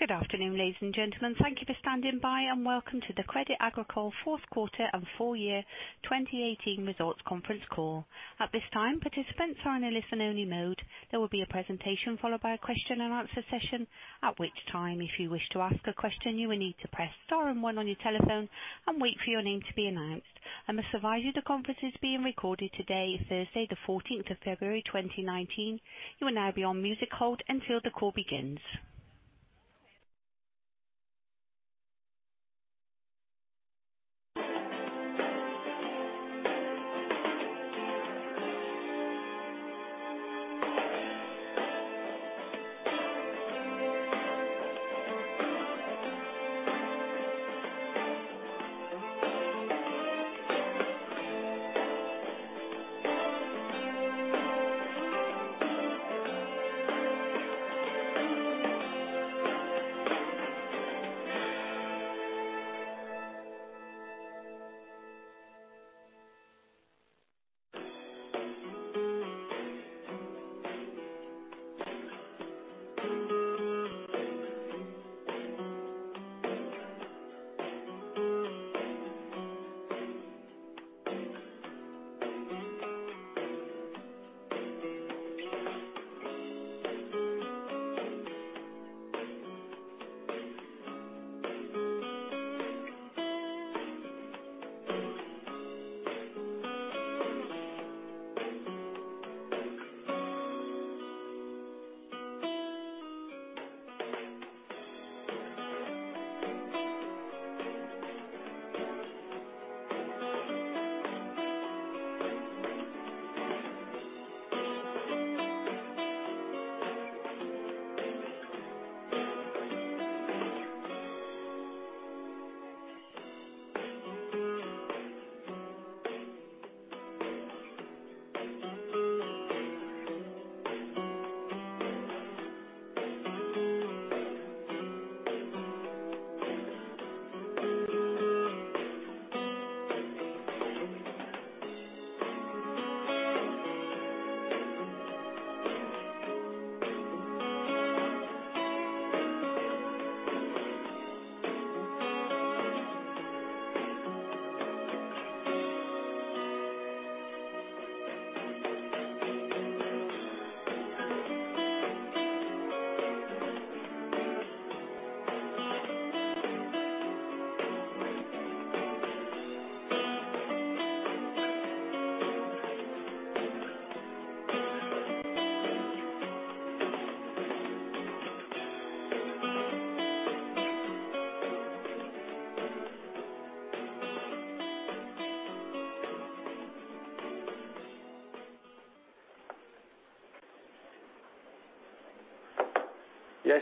Good afternoon, ladies and gentlemen. Thank you for standing by, and welcome to the Crédit Agricole fourth quarter and full year 2018 results conference call. At this time, participants are in a listen-only mode. There will be a presentation followed by a question-and-answer session, at which time, if you wish to ask a question, you will need to press star and one on your telephone and wait for your name to be announced. I must advise you, the conference is being recorded today, Thursday, the 14th of February, 2019. You will now be on music hold until the call begins.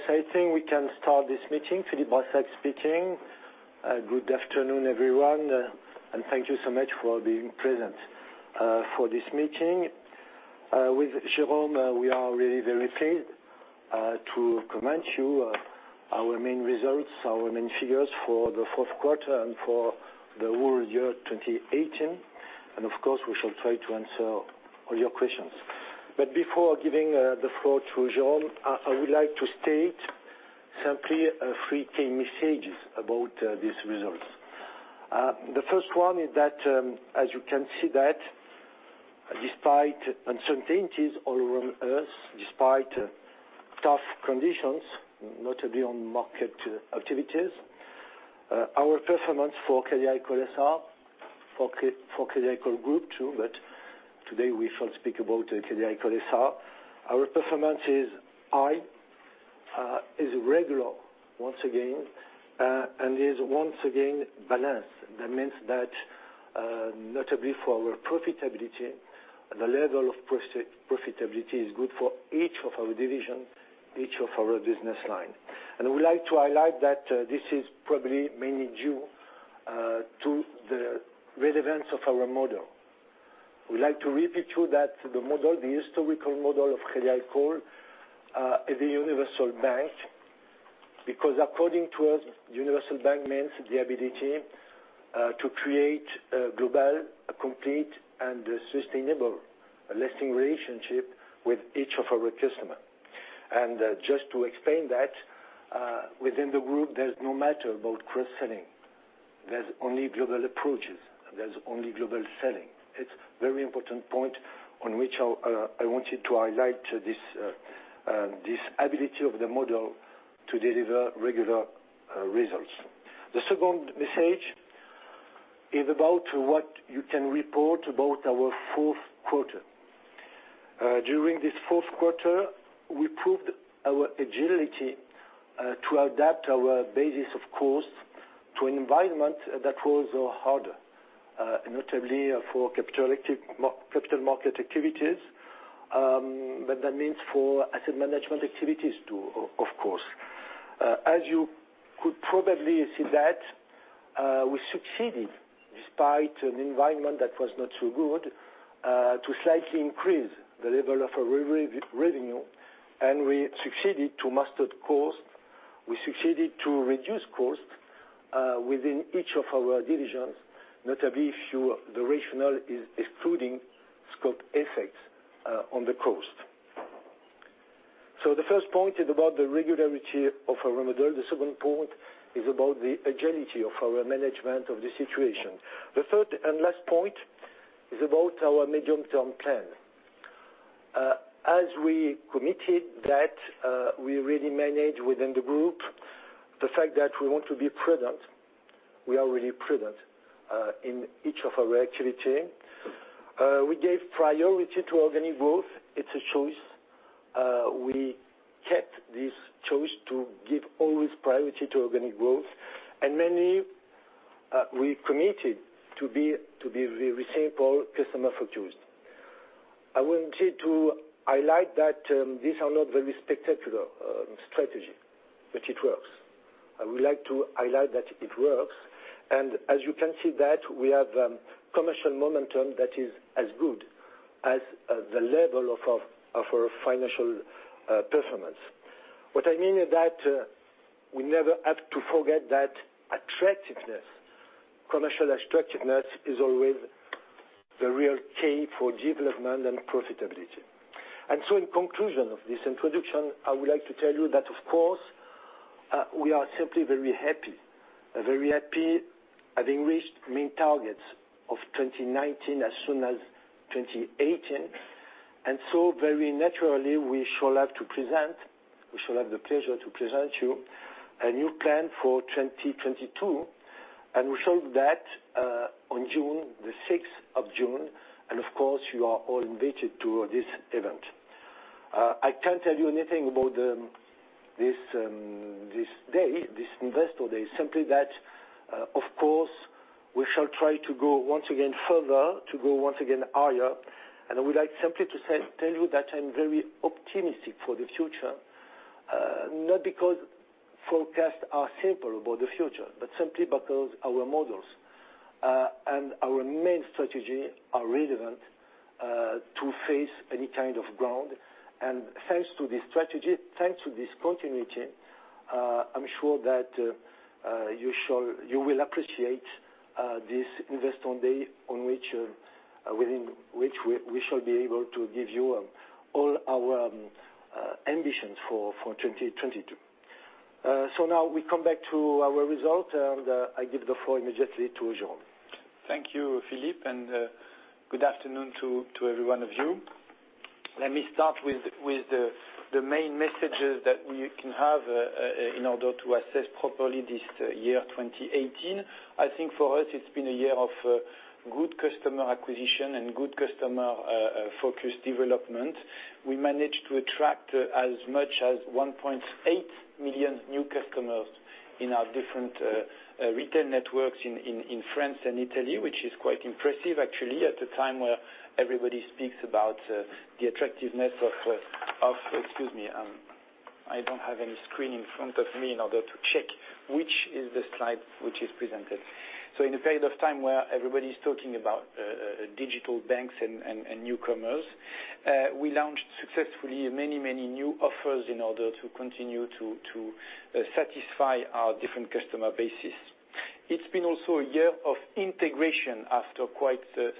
Yes, I think we can start this meeting. Philippe Brassac speaking. Good afternoon, everyone, and thank you so much for being present for this meeting. With Jérôme, we are really very pleased to comment you our main results, our main figures for the fourth quarter and for the whole year 2018, and of course, we shall try to answer all your questions. Before giving the floor to Jérôme, I would like to state simply three key messages about these results. The first one is that, as you can see that despite uncertainties all around us, despite tough conditions, notably on market activities, our performance for Crédit Agricole S.A., for Crédit Agricole Group too, but today we shall speak about Crédit Agricole S.A. Our performance is high, is regular once again, and is once again balanced. That means that notably for our profitability, the level of profitability is good for each of our divisions, each of our business line. I would like to highlight that this is probably mainly due to the relevance of our model. We like to repeat to you that the model, the historical model of Crédit Agricole, is a universal bank, because according to us, universal bank means the ability to create a global, a complete, and a sustainable lasting relationship with each of our customer. Just to explain that, within the group, there's no matter about cross-selling. There's only global approaches, and there's only global selling. It's very important point on which I wanted to highlight this ability of the model to deliver regular results. The second message is about what you can report about our fourth quarter. During this fourth quarter, we proved our agility to adapt our basis of cost to an environment that was harder, notably for capital market activities, but that means for asset management activities, too, of course. As you could probably see that, we succeeded despite an environment that was not so good, to slightly increase the level of our revenue, and we succeeded to master cost. We succeeded to reduce cost. Within each of our divisions, notably if the rationale is excluding scope effects on the cost. The first point is about the regularity of our model. The second point is about the agility of our management of the situation. The third and last point is about our medium-term plan. As we committed that, we really manage within the group, the fact that we want to be prudent. We are really prudent in each of our activity. We gave priority to organic growth. It's a choice. We kept this choice to give always priority to organic growth. Mainly, we committed to be very simple, customer-focused. I wanted to highlight that these are not very spectacular strategy, but it works. I would like to highlight that it works, and as you can see that we have commercial momentum that is as good as the level of our financial performance. What I mean is that we never have to forget that attractiveness, commercial attractiveness, is always the real key for development and profitability. In conclusion of this introduction, I would like to tell you that, of course, we are simply very happy, very happy having reached main targets of 2019 as soon as 2018. Very naturally, we shall have the pleasure to present you a new plan for 2022, and we show that on the 6th of June. Of course, you are all invited to this event. I can't tell you anything about this Investor Day, simply that, of course, we shall try to go once again further, to go once again higher. I would like simply to tell you that I'm very optimistic for the future. Not because forecasts are simple about the future, but simply because our models, and our main strategy are relevant to face any kind of ground. Thanks to this strategy, thanks to this continuity, I'm sure that you will appreciate this Investor Day within which we shall be able to give you all our ambitions for 2022. Now we come back to our result, I give the floor immediately to Jérôme. Thank you, Philippe, and good afternoon to every one of you. Let me start with the main messages that we can have in order to assess properly this year, 2018. I think for us, it's been a year of good customer acquisition and good customer-focused development. We managed to attract as much as 1.8 million new customers in our different retail networks in France and Italy, which is quite impressive, actually, at a time where everybody speaks about the attractiveness of Excuse me. I don't have any screen in front of me in order to check which is the slide which is presented. In a period of time where everybody's talking about digital banks and newcomers, we launched successfully many new offers in order to continue to satisfy our different customer bases. It's been also a year of integration after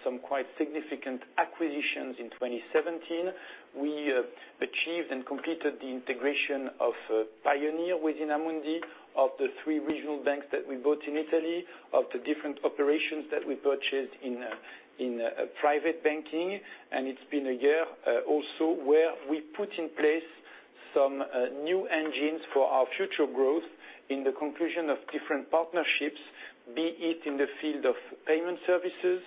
some quite significant acquisitions in 2017. We achieved and completed the integration of Pioneer within Amundi, of the three regional banks that we bought in Italy, of the different operations that we purchased in private banking. It's been a year also where we put in place some new engines for our future growth in the conclusion of different partnerships, be it in the field of payment services,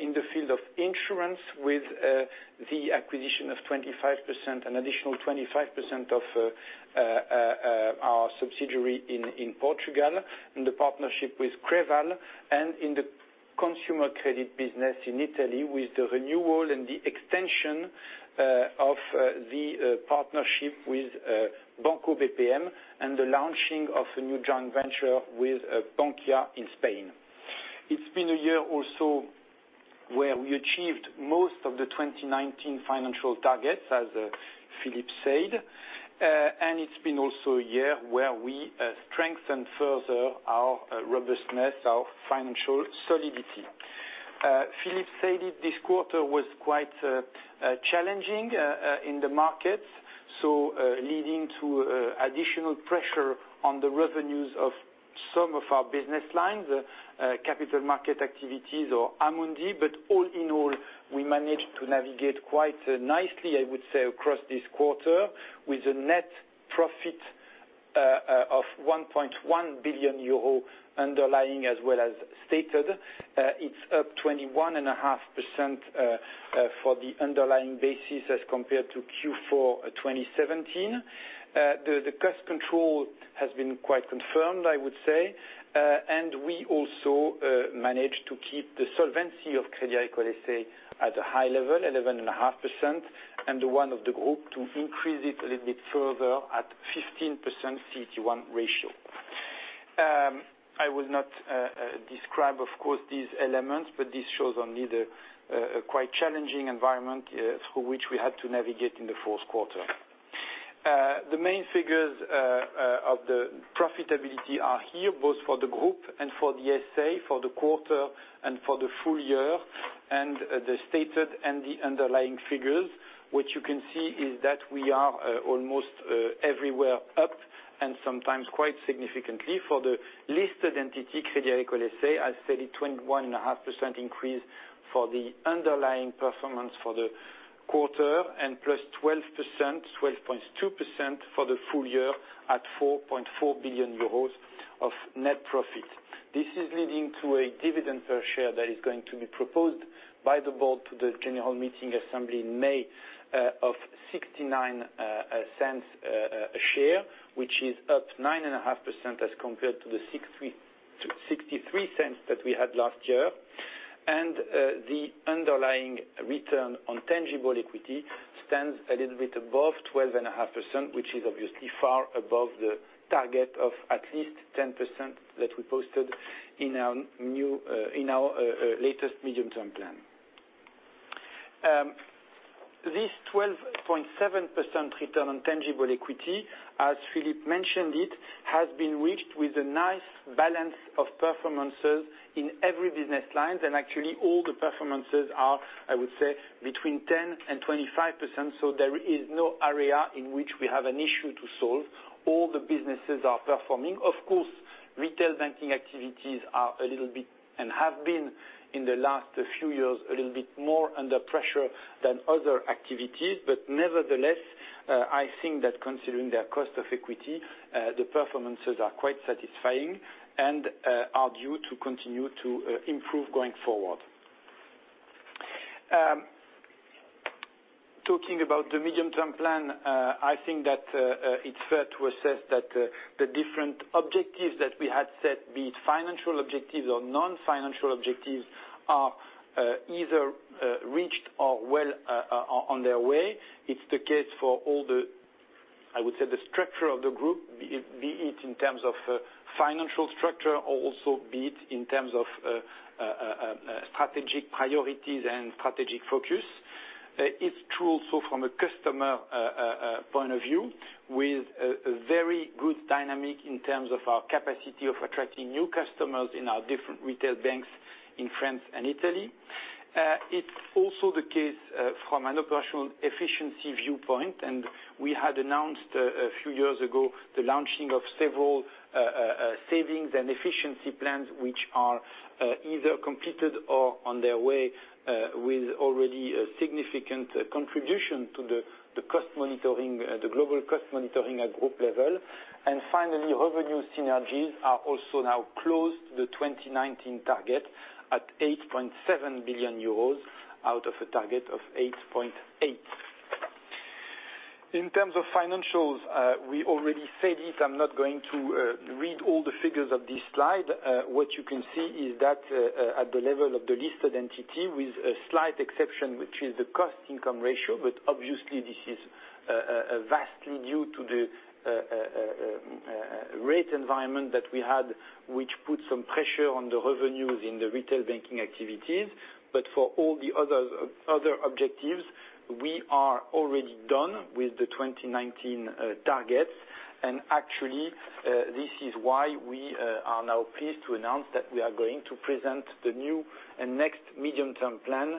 in the field of insurance with the acquisition of an additional 25% of our subsidiary in Portugal, in the partnership with Creval, and in the consumer credit business in Italy with the renewal and the extension of the partnership with Banco BPM and the launching of a new joint venture with Bankia in Spain. It's been a year also where we achieved most of the 2019 financial targets, as Philippe said, and it's been also a year where we strengthened further our robustness, our financial solidity. Philippe said it. This quarter was quite challenging in the markets, leading to additional pressure on the revenues of some of our business lines, capital market activities or Amundi. All in all, we managed to navigate quite nicely, I would say, across this quarter with a net profit of 1.1 billion euro underlying as well as stated. It is up 21.5% for the underlying basis as compared to Q4 2017. The cost control has been quite confirmed, I would say. We also managed to keep the solvency of Crédit Agricole S.A. at a high level, 11.5%, and the one of the group to increase it a little bit further at 15% CET1 ratio. I will not describe, of course, these elements. This shows only the quite challenging environment through which we had to navigate in the fourth quarter. The main figures of the profitability are here, both for the group and for the S.A., for the quarter and for the full year, and the stated and the underlying figures. What you can see is that we are almost everywhere up, and sometimes quite significantly. For the listed entity, Crédit Agricole S.A., as stated, 21.5% increase for the underlying performance for the quarter, and +12.2% for the full year at 4.4 billion euros of net profit. This is leading to a dividend per share that is going to be proposed by the board to the general meeting assembly in May of 0.69 a share, which is up 9.5% as compared to the 0.63 that we had last year. The underlying return on tangible equity stands a little bit above 12.5%, which is obviously far above the target of at least 10% that we posted in our latest medium-term plan. This 12.7% return on tangible equity, as Philippe mentioned it, has been reached with a nice balance of performances in every business line. Actually, all the performances are, I would say, between 10%-25%, there is no area in which we have an issue to solve. All the businesses are performing. Of course, retail banking activities are a little bit, and have been in the last few years, a little bit more under pressure than other activities. Nevertheless, I think that considering their cost of equity, the performances are quite satisfying and are due to continue to improve going forward. Talking about the medium-term plan, I think that it is fair to assess that the different objectives that we had set, be it financial objectives or non-financial objectives, are either reached or well on their way. It is the case for all the, I would say, the structure of the group, be it in terms of financial structure, or also be it in terms of strategic priorities and strategic focus. It is true also from a customer point of view, with a very good dynamic in terms of our capacity of attracting new customers in our different retail banks in France and Italy. It is also the case from an operational efficiency viewpoint. We had announced a few years ago the launching of several savings and efficiency plans, which are either completed or on their way with already a significant contribution to the global cost monitoring at group level. Finally, revenue synergies are also now close to the 2019 target at 8.7 billion euros, out of a target of 8.8 billion. In terms of financials, we already said it. I'm not going to read all the figures of this slide. What you can see is that at the level of the listed entity, with a slight exception, which is the cost-income ratio, obviously this is vastly due to the rate environment that we had, which put some pressure on the revenues in the retail banking activities. For all the other objectives, we are already done with the 2019 targets. Actually, this is why we are now pleased to announce that we are going to present the new and next medium-term plan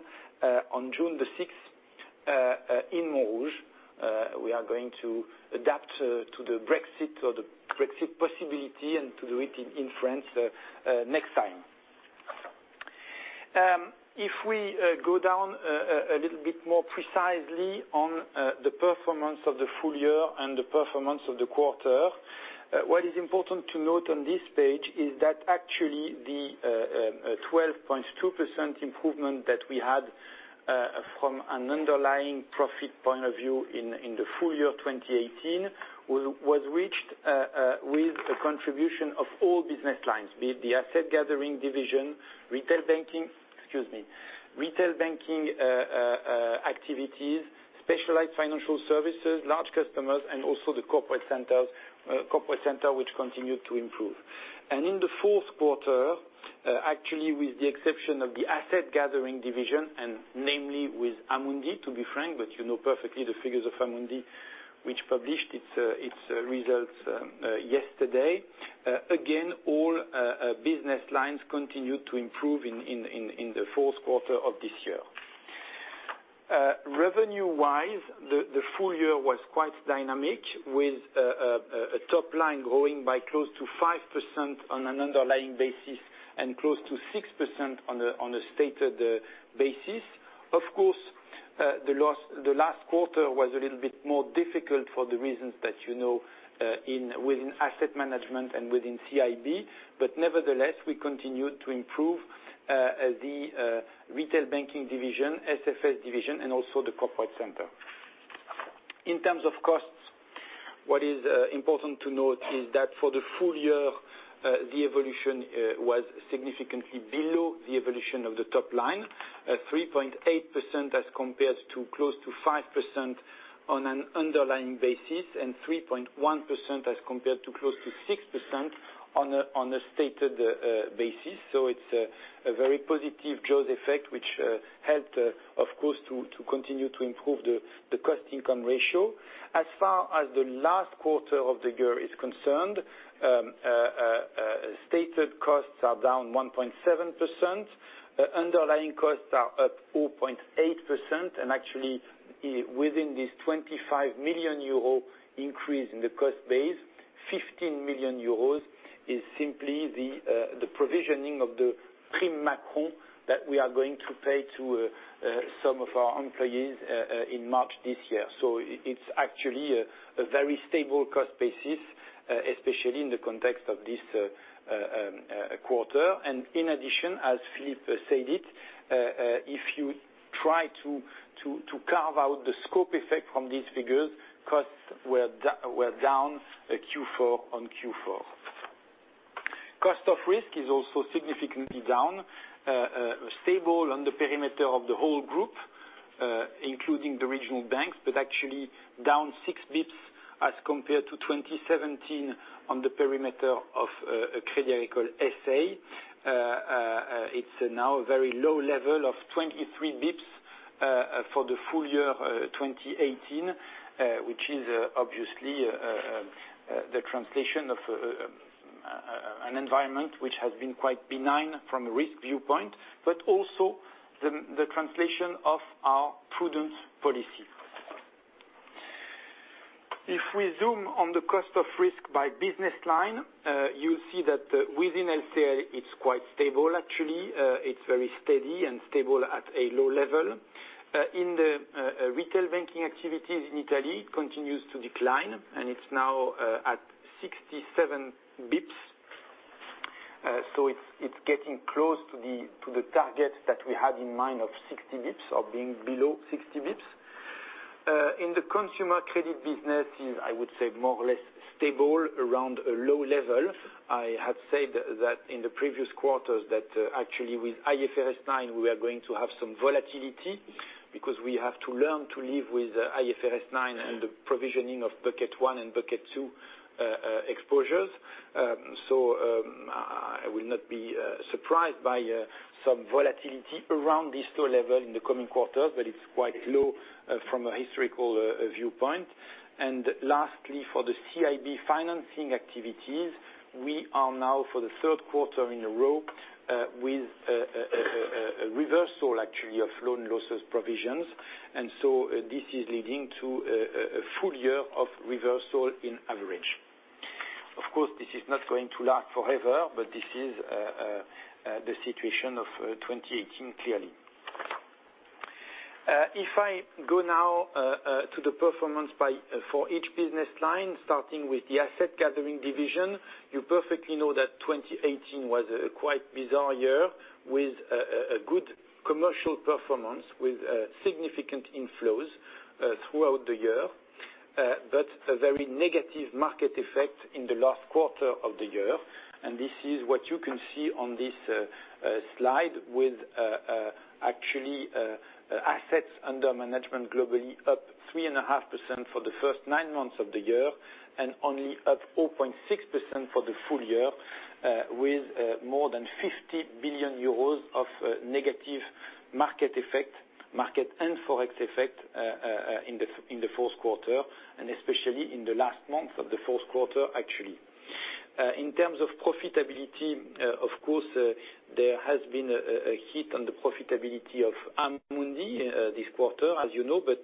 on June 6th in Montrouge. We are going to adapt to the Brexit possibility and to do it in France next time. If we go down a little bit more precisely on the performance of the full year and the performance of the quarter, what is important to note on this page is that actually, the 12.2% improvement that we had from an underlying profit point of view in the full year 2018 was reached with the contribution of all business lines, be it the asset gathering division, retail banking activities, specialized financial services, large customers, and also the corporate center, which continued to improve. In the fourth quarter, actually, with the exception of the asset gathering division, and namely with Amundi, to be frank, you know perfectly the figures of Amundi, which published its results yesterday. Again, all business lines continued to improve in the fourth quarter of this year. Revenue-wise, the full year was quite dynamic, with top line growing by close to 5% on an underlying basis and close to 6% on a stated basis. Of course, the last quarter was a little bit more difficult for the reasons that you know within asset management and within CIB. Nevertheless, we continued to improve the retail banking division, SFS division, and also the corporate center. In terms of costs, what is important to note is that for the full year, the evolution was significantly below the evolution of the top line, at 3.8% as compared to close to 5% on an underlying basis, and 3.1% as compared to close to 6% on a stated basis. It's a very positive Jaws effect, which helped, of course, to continue to improve the cost-income ratio. As far as the last quarter of the year is concerned, stated costs are down 1.7%. Underlying costs are up 4.8%, actually within this 25 million euro increase in the cost base, 15 million euros is simply the provisioning of the prime Macron that we are going to pay to some of our employees in March this year. It's actually a very stable cost basis, especially in the context of this quarter. In addition, as Philippe said it, if you try to carve out the scope effect from these figures, costs were down Q4-on-Q4. Cost of risk is also significantly down. Stable on the perimeter of the whole group, including the regional banks, actually down six basis points as compared to 2017 on the perimeter of Crédit Agricole S.A. It's now a very low level of 23 basis points for the full year 2018, which is obviously the translation of an environment which has been quite benign from a risk viewpoint, but also the translation of our prudence policy. If we zoom on the cost of risk by business line, you'll see that within LCL, it's quite stable, actually. It's very steady and stable at a low level. In the retail banking activities in Italy, it continues to decline, and it's now at 67 basis points. It's getting close to the target that we had in mind of 60 basis points or being below 60 basis points. In the consumer credit businesses, I would say more or less stable around a low level. I have said that in the previous quarters that actually with IFRS 9, we are going to have some volatility because we have to learn to live with IFRS 9 and the provisioning of bucket 1 and bucket 2 exposures. I will not be surprised by some volatility around these two levels in the coming quarters, but it's quite low from a historical viewpoint. Lastly, for the CIB financing activities, we are now for the third quarter in a row with a reversal actually of loan losses provisions. This is leading to a full year of reversal in average. Of course, this is not going to last forever, but this is the situation of 2018, clearly. If I go now to the performance for each business line, starting with the asset gathering division, you perfectly know that 2018 was a quite bizarre year with a good commercial performance with significant inflows throughout the year, but a very negative market effect in the last quarter of the year. This is what you can see on this slide with actually assets under management globally up 3.5% for the first nine months of the year and only up 0.6% for the full year, with more than 50 billion euros of negative market effect, market and Forex effect, in the fourth quarter, and especially in the last month of the fourth quarter, actually. In terms of profitability, of course, there has been a hit on the profitability of Amundi this quarter, as you know, but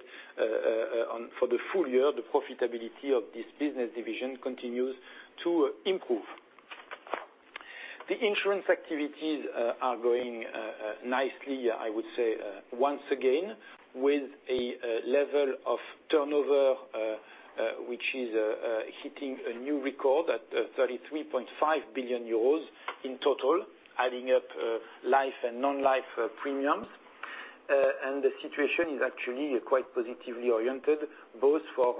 for the full year, the profitability of this business division continues to improve. The insurance activities are going nicely, I would say, once again, with a level of turnover, which is hitting a new record at 33.5 billion euros in total, adding up life and non-life premiums. The situation is actually quite positively oriented, both for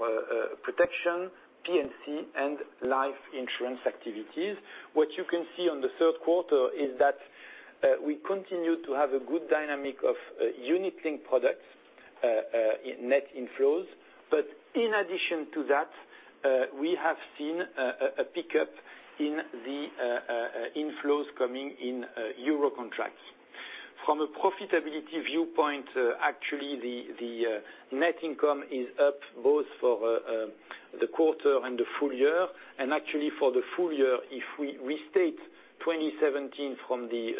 protection, P&C, and life insurance activities. What you can see on the third quarter is that we continue to have a good dynamic of unit link products net inflows. In addition to that, we have seen a pickup in the inflows coming in EUR contracts. From a profitability viewpoint, actually, the net income is up both for the quarter and the full year. Actually, for the full year, if we restate 2017 from the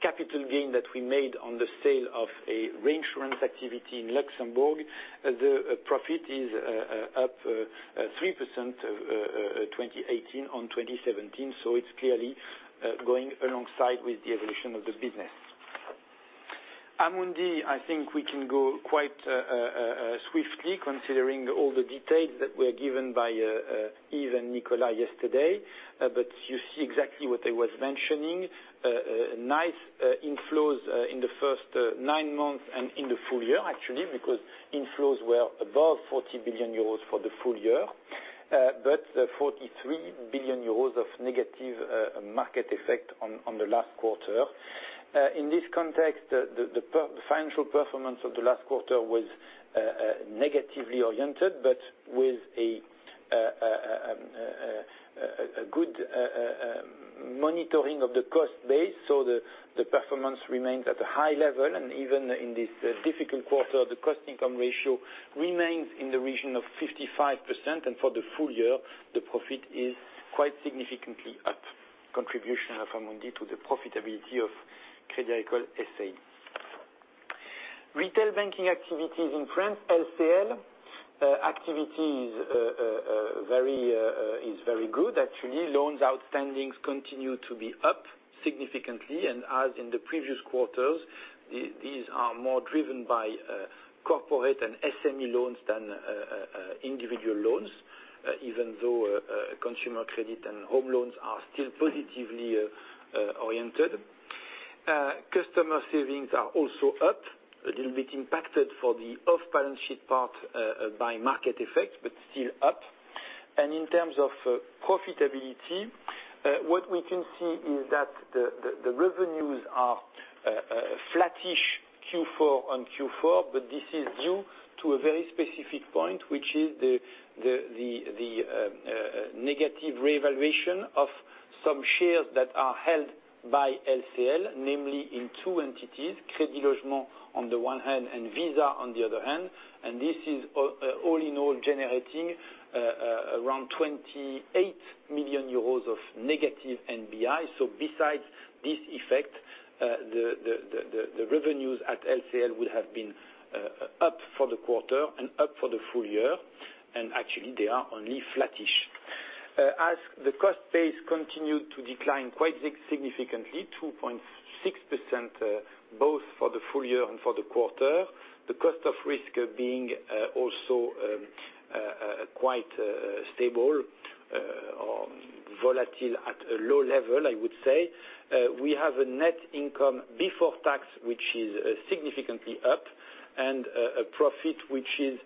capital gain that we made on the sale of a reinsurance activity in Luxembourg, the profit is up 3% 2018 on 2017. It's clearly going alongside with the evolution of the business. Amundi, I think we can go quite swiftly considering all the details that were given by Yves and Nicolas yesterday. You see exactly what I was mentioning. Nice inflows in the first nine months and in the full year actually, because inflows were above 40 billion euros for the full year. 43 billion euros of negative market effect on the last quarter. In this context, the financial performance of the last quarter was negatively oriented, but with a good monitoring of the cost base, so the performance remains at a high level. Even in this difficult quarter, the cost-income ratio remains in the region of 55%, and for the full year, the profit is quite significantly at contribution of Amundi to the profitability of Crédit Agricole S.A. Retail banking activities in France, LCL. Activity is very good actually. Loans outstandings continue to be up significantly. As in the previous quarters, these are more driven by corporate and SME loans than individual loans. Even though consumer credit and home loans are still positively oriented. Customer savings are also up, a little bit impacted for the off-balance sheet part by market effect, but still up. In terms of profitability, what we can see is that the revenues are flattish Q4-on-Q4, but this is due to a very specific point, which is the negative revaluation of some shares that are held by LCL, namely in two entities, Crédit Logement on the one hand, and Visa on the other hand. This is all in all generating around 28 million euros of negative NBI. Besides this effect, the revenues at LCL would have been up for the quarter and up for the full year. Actually, they are only flattish. As the cost base continued to decline quite significantly, 2.6% both for the full year and for the quarter. The cost of risk being also quite stable or volatile at a low level, I would say. We have a net income before tax, which is significantly up, and a profit, which is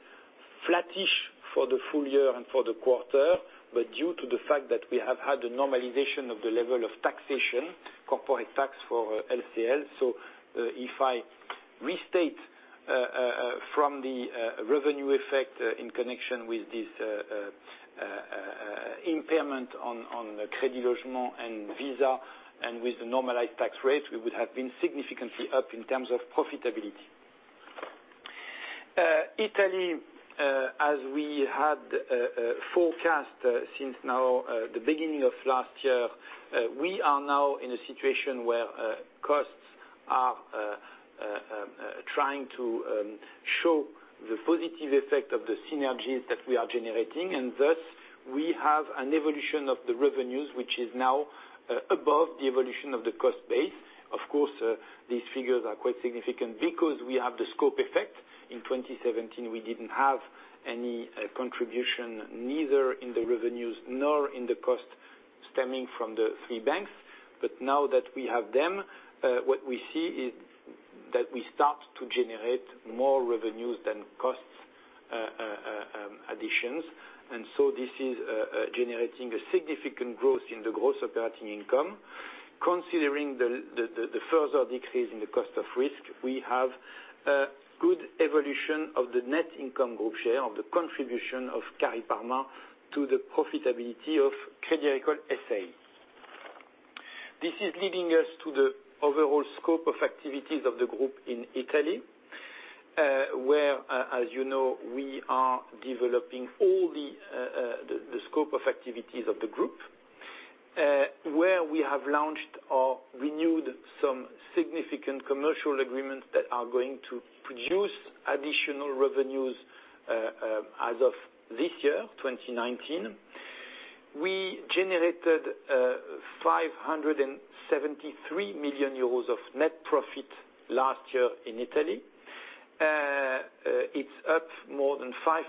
flattish for the full year and for the quarter. Due to the fact that we have had a normalization of the level of taxation, corporate tax for LCL. If I restate from the revenue effect in connection with this impairment on Crédit Logement and Visa, and with the normalized tax rates, we would have been significantly up in terms of profitability. Italy, as we had forecast since now the beginning of last year, we are now in a situation where costs are trying to show the positive effect of the synergies that we are generating. Thus, we have an evolution of the revenues, which is now above the evolution of the cost base. Of course, these figures are quite significant because we have the scope effect. In 2017, we didn't have any contribution neither in the revenues nor in the cost stemming from the three banks. Now that we have them, what we see is that we start to generate more revenues than costs additions. This is generating a significant growth in the gross operating income. Considering the further decrease in the cost of risk, we have a good evolution of the net income group share of the contribution of Cariparma to the profitability of Crédit Agricole S.A. This is leading us to the overall scope of activities of the group in Italy, where, as you know, we are developing all the scope of activities of the group, where we have launched or renewed some significant commercial agreements that are going to produce additional revenues as of this year, 2019. We generated 573 million euros of net profit last year in Italy. It's up more than 5%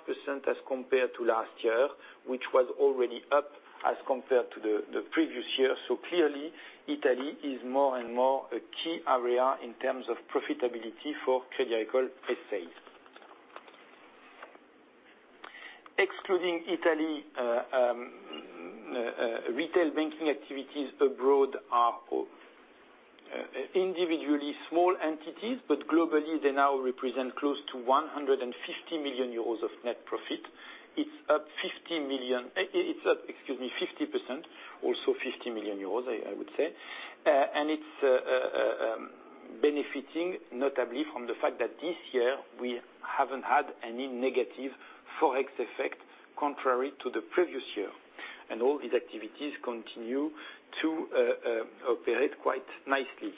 as compared to last year, which was already up as compared to the previous year. Clearly, Italy is more and more a key area in terms of profitability for Crédit Agricole S.A. Excluding Italy, retail banking activities abroad are individually small entities, but globally, they now represent close to 150 million euros of net profit. It's up 50%, also 50 million euros, I would say. It's benefiting notably from the fact that this year we haven't had any negative Forex effect, contrary to the previous year. All these activities continue to operate quite nicely.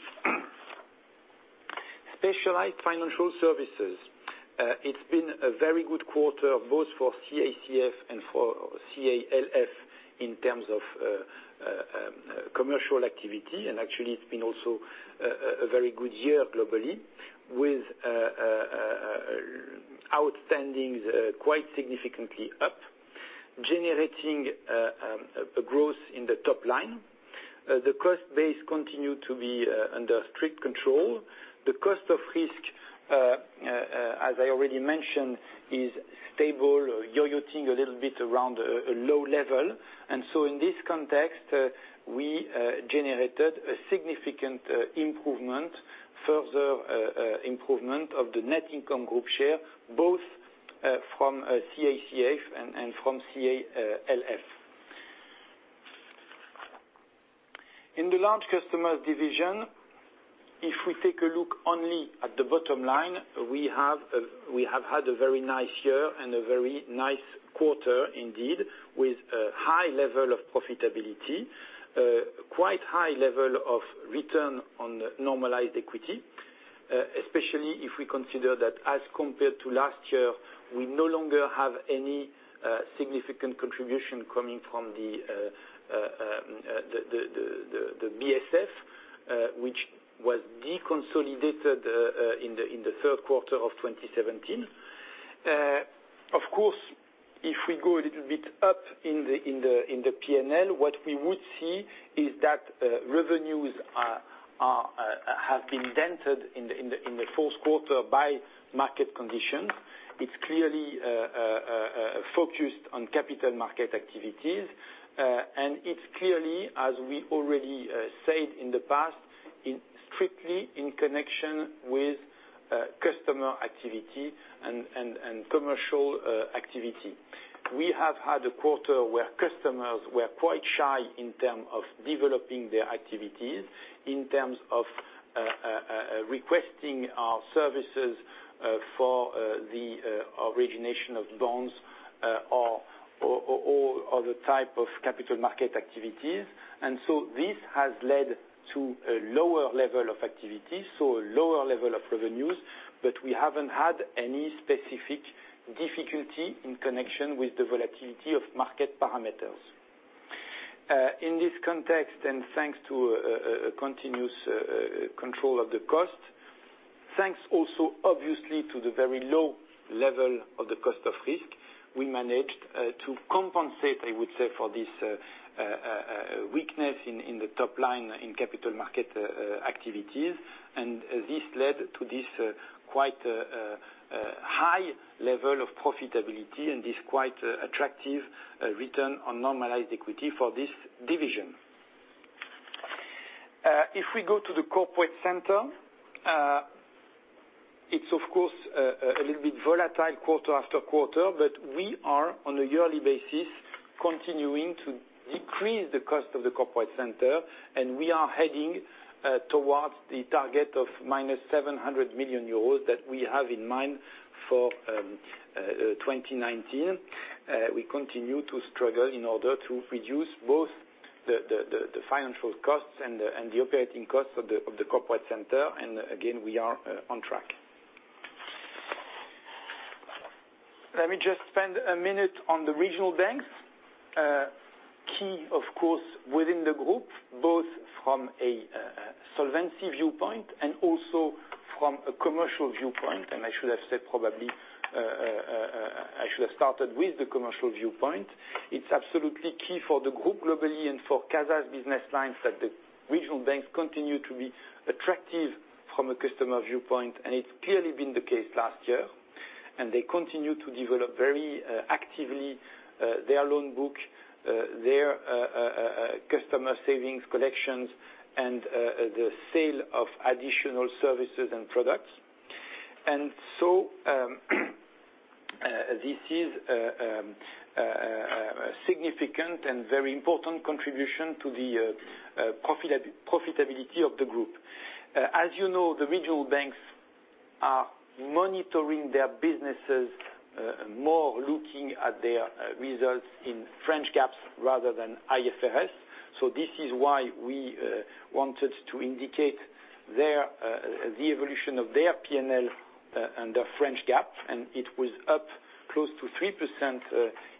Specialized financial services. It's been a very good quarter, both for CACF and for CALF in terms of commercial activity. Actually it's been also a very good year globally, with outstandings quite significantly upGenerating a growth in the top line. The cost base continued to be under strict control. The cost of risk, as I already mentioned, is stable, yo-yoing a little bit around a low level. In this context, we generated a significant improvement, further improvement of the net income group share, both from CACF and from CALF. In the large customer division, if we take a look only at the bottom line, we have had a very nice year and a very nice quarter indeed, with a high level of profitability, quite high level of return on normalized equity, especially if we consider that, as compared to last year, we no longer have any significant contribution coming from the BSF which was deconsolidated in the third quarter of 2017. Of course, if we go a little bit up in the P&L, what we would see is that revenues have been dented in the fourth quarter by market conditions. It's clearly focused on capital market activities. It's clearly, as we already said in the past, it's strictly in connection with customer activity and commercial activity. We have had a quarter where customers were quite shy in term of developing their activities, in terms of requesting our services for the origination of bonds or other type of capital market activities. This has led to a lower level of activity, so a lower level of revenues. We haven't had any specific difficulty in connection with the volatility of market parameters. In this context, and thanks to a continuous control of the cost, thanks also, obviously, to the very low level of the cost of risk, we managed to compensate, I would say, for this weakness in the top line in capital market activities. This led to this quite a high level of profitability and this quite attractive return on normalized equity for this division. If we go to the corporate center, it is of course a little bit volatile quarter-after-quarter, but we are, on a yearly basis, continuing to decrease the cost of the corporate center, and we are heading towards the target of minus 700 million euros that we have in mind for 2019. We continue to struggle in order to reduce both the financial costs and the operating costs of the corporate center. Again, we are on track. Let me just spend a minute on the regional banks. Key, of course, within the group, both from a solvency viewpoint and also from a commercial viewpoint, and I should have started with the commercial viewpoint. It is absolutely key for the group globally and for CASA's business lines that the regional banks continue to be attractive from a customer viewpoint, and it is clearly been the case last year. They continue to develop very actively their loan book, their customer savings collections, and the sale of additional services and products. This is a significant and very important contribution to the profitability of the group. As you know, the regional banks are monitoring their businesses more, looking at their results in French GAAP rather than IFRS. This is why we wanted to indicate the evolution of their P&L under French GAAP, and it was up close to 3%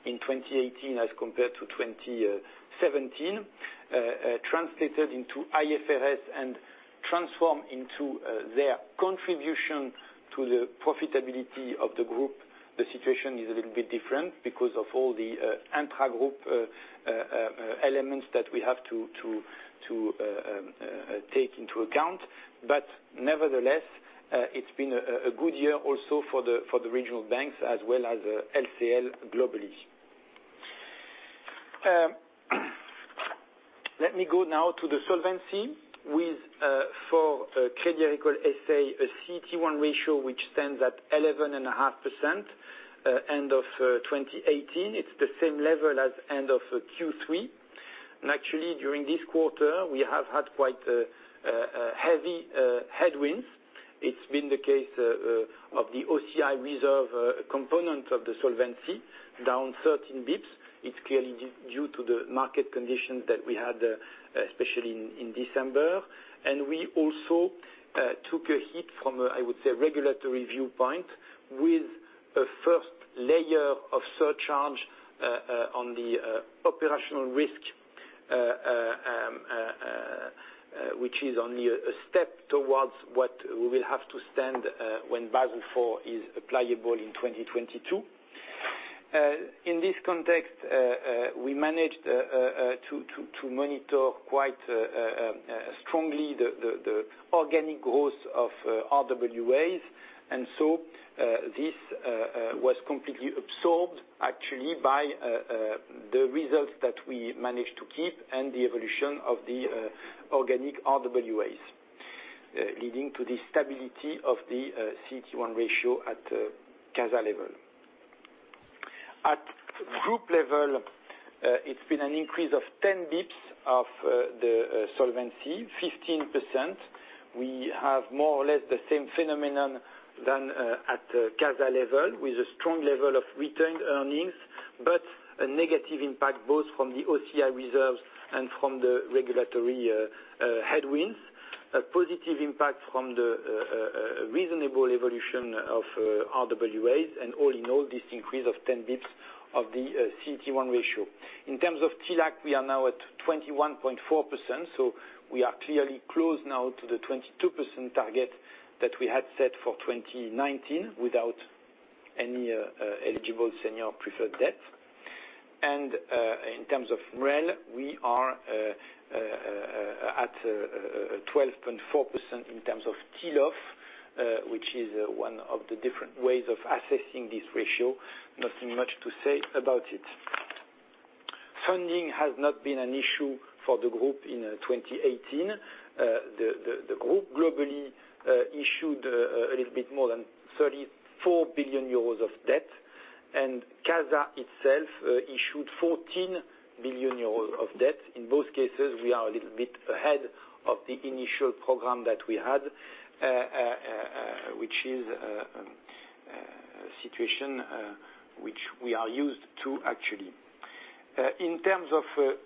in 2018 as compared to 2017. Translated into IFRS and transformed into their contribution to the profitability of the group, the situation is a little bit different because of all the intra-group elements that we have to take into account. Nevertheless, it has been a good year also for the regional banks as well as LCL globally. Let me go now to the solvency with, for Crédit Agricole S.A., a CET1 ratio which stands at 11.5% end of 2018. It is the same level as end of Q3. Actually, during this quarter, we have had quite heavy headwinds. It has been the case of the OCI reserve component of the solvency down 13 basis points. It is clearly due to the market conditions that we had, especially in December. We also took a hit from a, I would say, regulatory viewpoint with a first layer of surcharge on the operational risk, which is only a step towards what we will have to stand when Basel IV is applicable in 2022. In this context, we managed to monitor quite strongly the organic growth of RWAs. This was completely absorbed, actually, by the results that we managed to keep and the evolution of the organic RWAs, leading to the stability of the CET1 ratio at CASA level. At group level, it has been an increase of 10 basis points of the solvency, 15%. We have more or less the same phenomenon than at the CASA level, with a strong level of retained earnings, but a negative impact both from the OCI reserves and from the regulatory headwinds. A positive impact from the reasonable evolution of RWAs, all in all, this increase of 10 basis points of the CET1 ratio. In terms of TLAC, we are now at 21.4%, we are clearly close now to the 22% target that we had set for 2019 without any eligible senior preferred debt. In terms of MREL, we are at 12.4% in terms of TLOF, which is one of the different ways of assessing this ratio. Nothing much to say about it. Funding has not been an issue for the Group in 2018. The Group globally issued a little bit more than 34 billion euros of debt, and CASA itself issued 14 billion euros of debt. In both cases, we are a little bit ahead of the initial program that we had, which is a situation which we are used to, actually. In terms of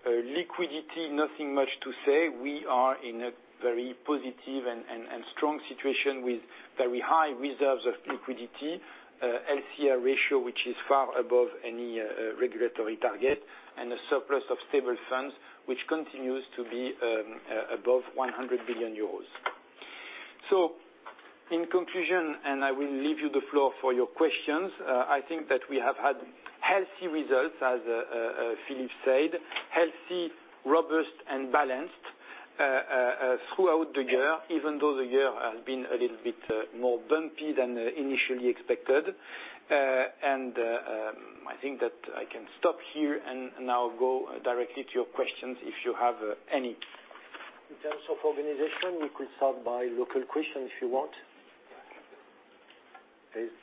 liquidity, nothing much to say. We are in a very positive and strong situation with very high reserves of liquidity, LCR ratio, which is far above any regulatory target, and a surplus of stable funds, which continues to be above 100 billion euros. In conclusion, I will leave you the floor for your questions, I think that we have had healthy results, as Philippe said, healthy, robust, and balanced throughout the year, even though the year has been a little bit more bumpy than initially expected. I think that I can stop here and now go directly to your questions if you have any. In terms of organization, we could start by local questions, if you want. Please. Thank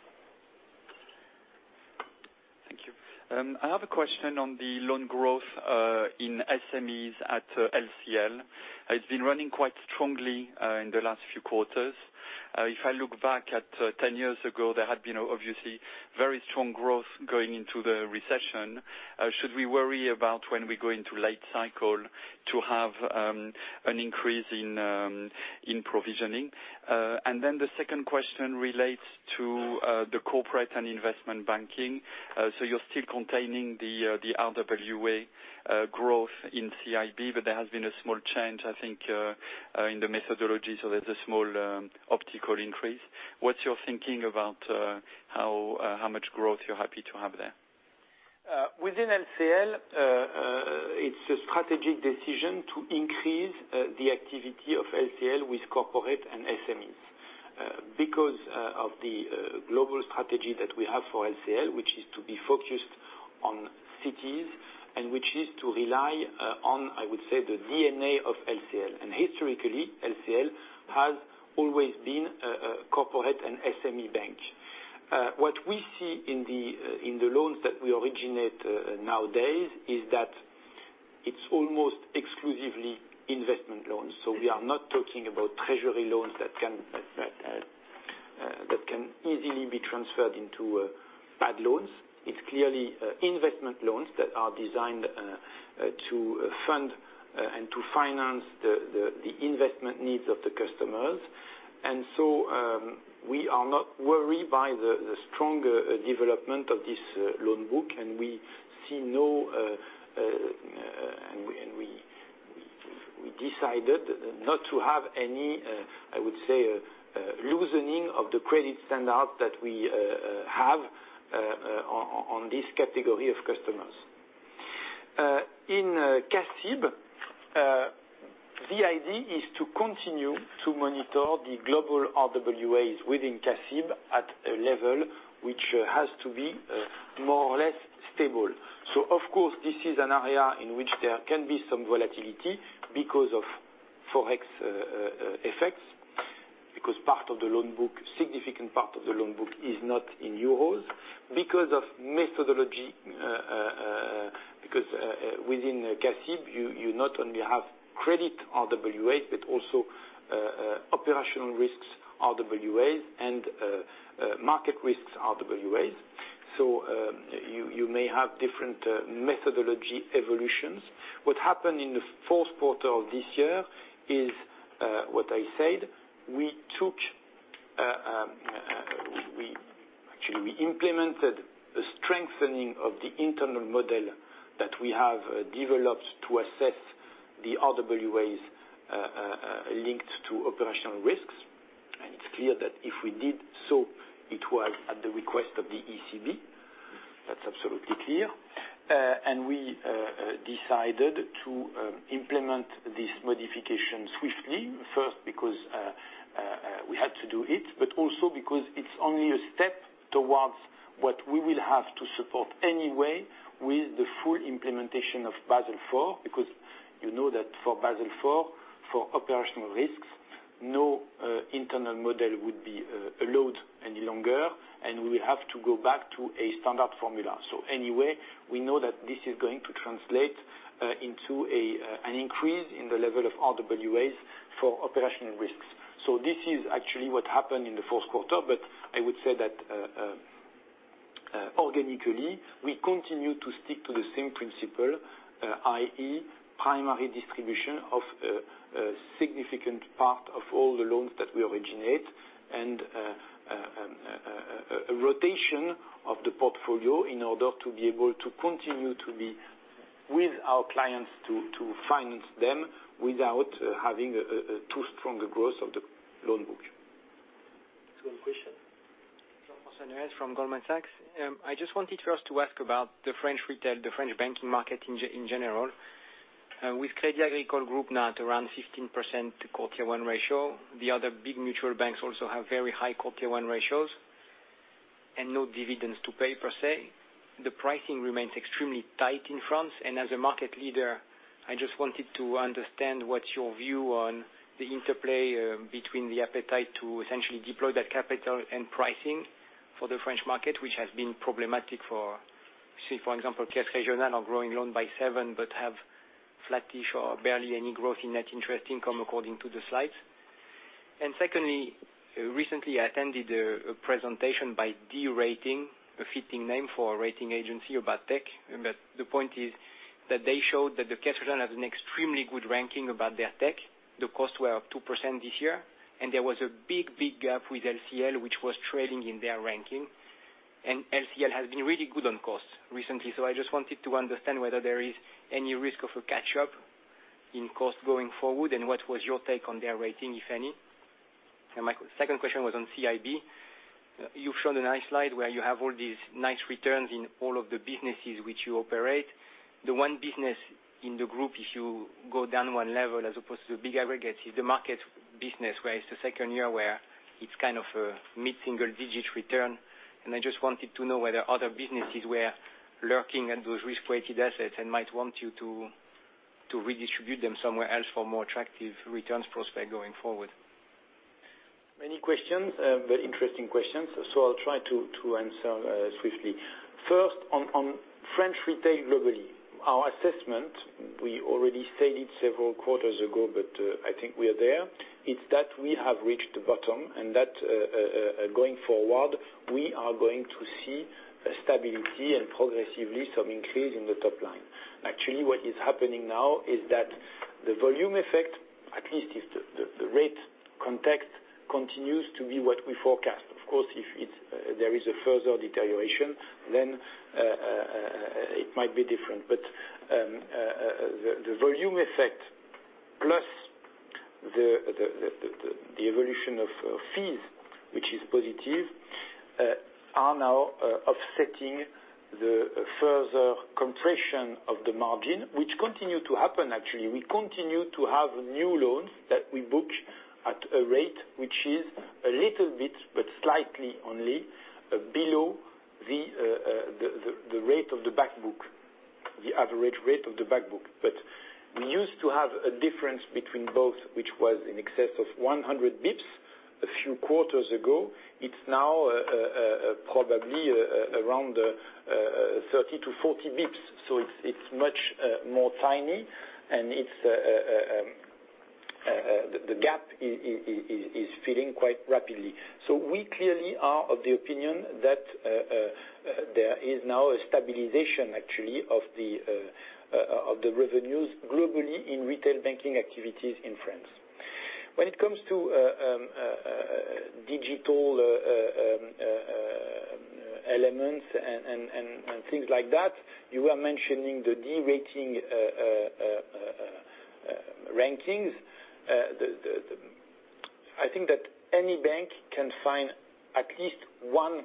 you. I have a question on the loan growth, in SMEs at LCL. It's been running quite strongly in the last few quarters. If I look back at 10 years ago, there had been, obviously, very strong growth going into the recession. Should we worry about when we go into late cycle to have an increase in provisioning? The second question relates to the corporate and investment banking. You're still containing the RWA growth in CIB, but there has been a small change, I think, in the methodology, there's a small optical increase. What's your thinking about how much growth you're happy to have there? Within LCL, it's a strategic decision to increase the activity of LCL with corporate and SMEs. Because of the global strategy that we have for LCL, which is to be focused on cities, and which is to rely on, I would say, the DNA of LCL. Historically, LCL has always been a corporate and SME bank. What we see in the loans that we originate nowadays is that it's almost exclusively investment loans. We are not talking about treasury loans that can easily be transferred into bad loans. It's clearly investment loans that are designed to fund and to finance the investment needs of the customers. We are not worried by the strong development of this loan book, and we decided not to have any, I would say, loosening of the credit standard that we have on this category of customers. In CACEIS, the idea is to continue to monitor the global RWAs within CACEIS at a level which has to be more or less stable. Of course, this is an area in which there can be some volatility because of Forex effects, because part of the loan book, significant part of the loan book, is not in euros. Because of methodology, because within CACEIS, you not only have credit RWAs, but also operational risks, RWAs, and market risks, RWAs. You may have different methodology evolutions. What happened in the fourth quarter of this year is what I said. We implemented a strengthening of the internal model that we have developed to assess the RWAs linked to operational risks. It's clear that if we did so, it was at the request of the ECB. That's absolutely clear. We decided to implement this modification swiftly. First, because we had to do it, but also because it's only a step towards what we will have to support anyway with the full implementation of Basel IV, because you know that for Basel IV, for operational risks, no internal model would be allowed any longer, and we will have to go back to a standard formula. Anyway, we know that this is going to translate into an increase in the level of RWAs for operational risks. This is actually what happened in the fourth quarter, but I would say that organically, we continue to stick to the same principle, i.e., primary distribution of a significant part of all the loans that we originate and a rotation of the portfolio in order to be able to continue to be with our clients to finance them without having too strong a growth of the loan book. Second question. Jean-François Neuez from Goldman Sachs. I just wanted first to ask about the French retail, the French banking market in general. With Crédit Agricole Group now at around 15% tier 1 ratio, the other big mutual banks also have very high tier 1 ratios and no dividends to pay per se. The pricing remains extremely tight in France. As a market leader, I just wanted to understand what's your view on the interplay between the appetite to essentially deploy that capital and pricing for the French market, which has been problematic for, say, for example, Caisse Régionale are growing loan by seven but have flat or barely any growth in net interest income, according to the slides. Secondly, recently I attended a presentation by D-Rating, a fitting name for a rating agency about tech. The point is that they showed that the Caisse Régionale have an extremely good ranking about their tech. The costs were up 2% this year. There was a big gap with LCL, which was trailing in their ranking. LCL has been really good on costs recently. I just wanted to understand whether there is any risk of a catch-up in cost going forward, and what was your take on their rating, if any. My second question was on CIB. You've shown a nice slide where you have all these nice returns in all of the businesses which you operate. The one business in the group, if you go down one level as opposed to the big aggregate, is the market business, where it's the second year where it's kind of a mid-single-digit return. I just wanted to know whether other businesses were lurking at those risk-weighted assets and might want you to redistribute them somewhere else for more attractive returns prospect going forward. Many questions, very interesting questions. I'll try to answer swiftly. First, on French retail globally. Our assessment, we already said it several quarters ago, but I think we are there, it's that we have reached the bottom and that going forward, we are going to see a stability and progressively some increase in the top line. Actually, what is happening now is that the volume effect, at least if the rate continues to be what we forecast. Of course, if there is a further deterioration, then it might be different. The volume effect plus the evolution of fees, which is positive, are now offsetting the further compression of the margin, which continue to happen, actually. We continue to have new loans that we book at a rate which is a little bit, but slightly only, below the average rate of the back book. We used to have a difference between both, which was in excess of 100 basis points a few quarters ago. It's now probably around 30 to 40 basis points. It's much more tiny, and the gap is filling quite rapidly. We clearly are of the opinion that there is now a stabilization, actually, of the revenues globally in retail banking activities in France. When it comes to digital elements and things like that, you were mentioning the D-Rating rankings. I think that any bank can find at least one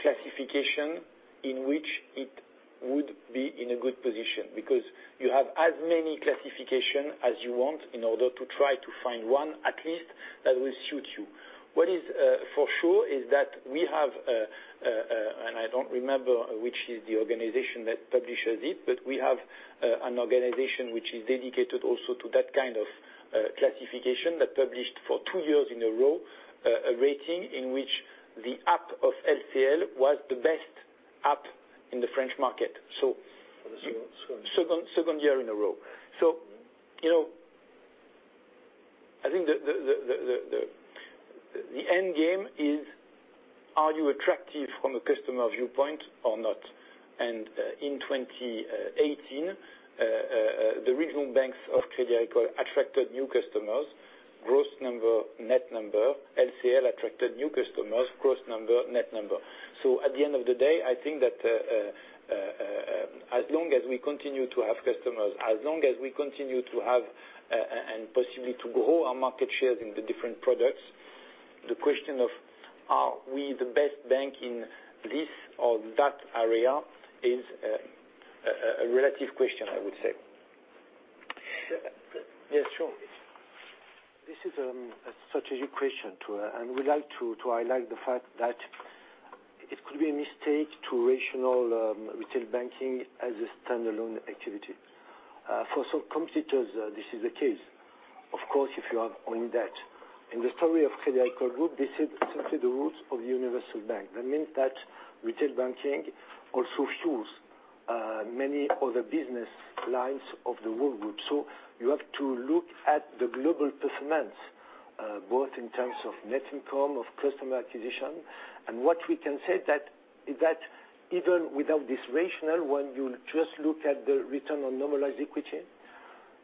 classification in which it would be in a good position, because you have as many classifications as you want in order to try to find one at least that will suit you. What is for sure is that we have, and I don't remember which is the organization that publishes it, but we have an organization which is dedicated also to that kind of classification that published for two years in a row, a rating in which the app of LCL was the best app in the French market. For the second year. Second year in a row. I think the end game is, are you attractive from a customer viewpoint or not? And in 2018, the regional banks of Crédit Agricole attracted new customers, gross number, net number. LCL attracted new customers, gross number, net number. At the end of the day, I think that as long as we continue to have customers, as long as we continue to have and possibly to grow our market shares in the different products, the question of are we the best bank in this or that area is a relative question, I would say. Yes, sure. This is a strategic question, too. We like to highlight the fact that it could be a mistake to rationalize retail banking as a standalone activity. For some competitors, this is the case, of course, if you are only that. In the story of Crédit Agricole Group, this is simply the roots of universal bank. That means that retail banking also fuels many other business lines of the whole group. You have to look at the global performance, both in terms of net income, of customer acquisition. What we can say is that even without this rationale, when you just look at the return on normalized equity,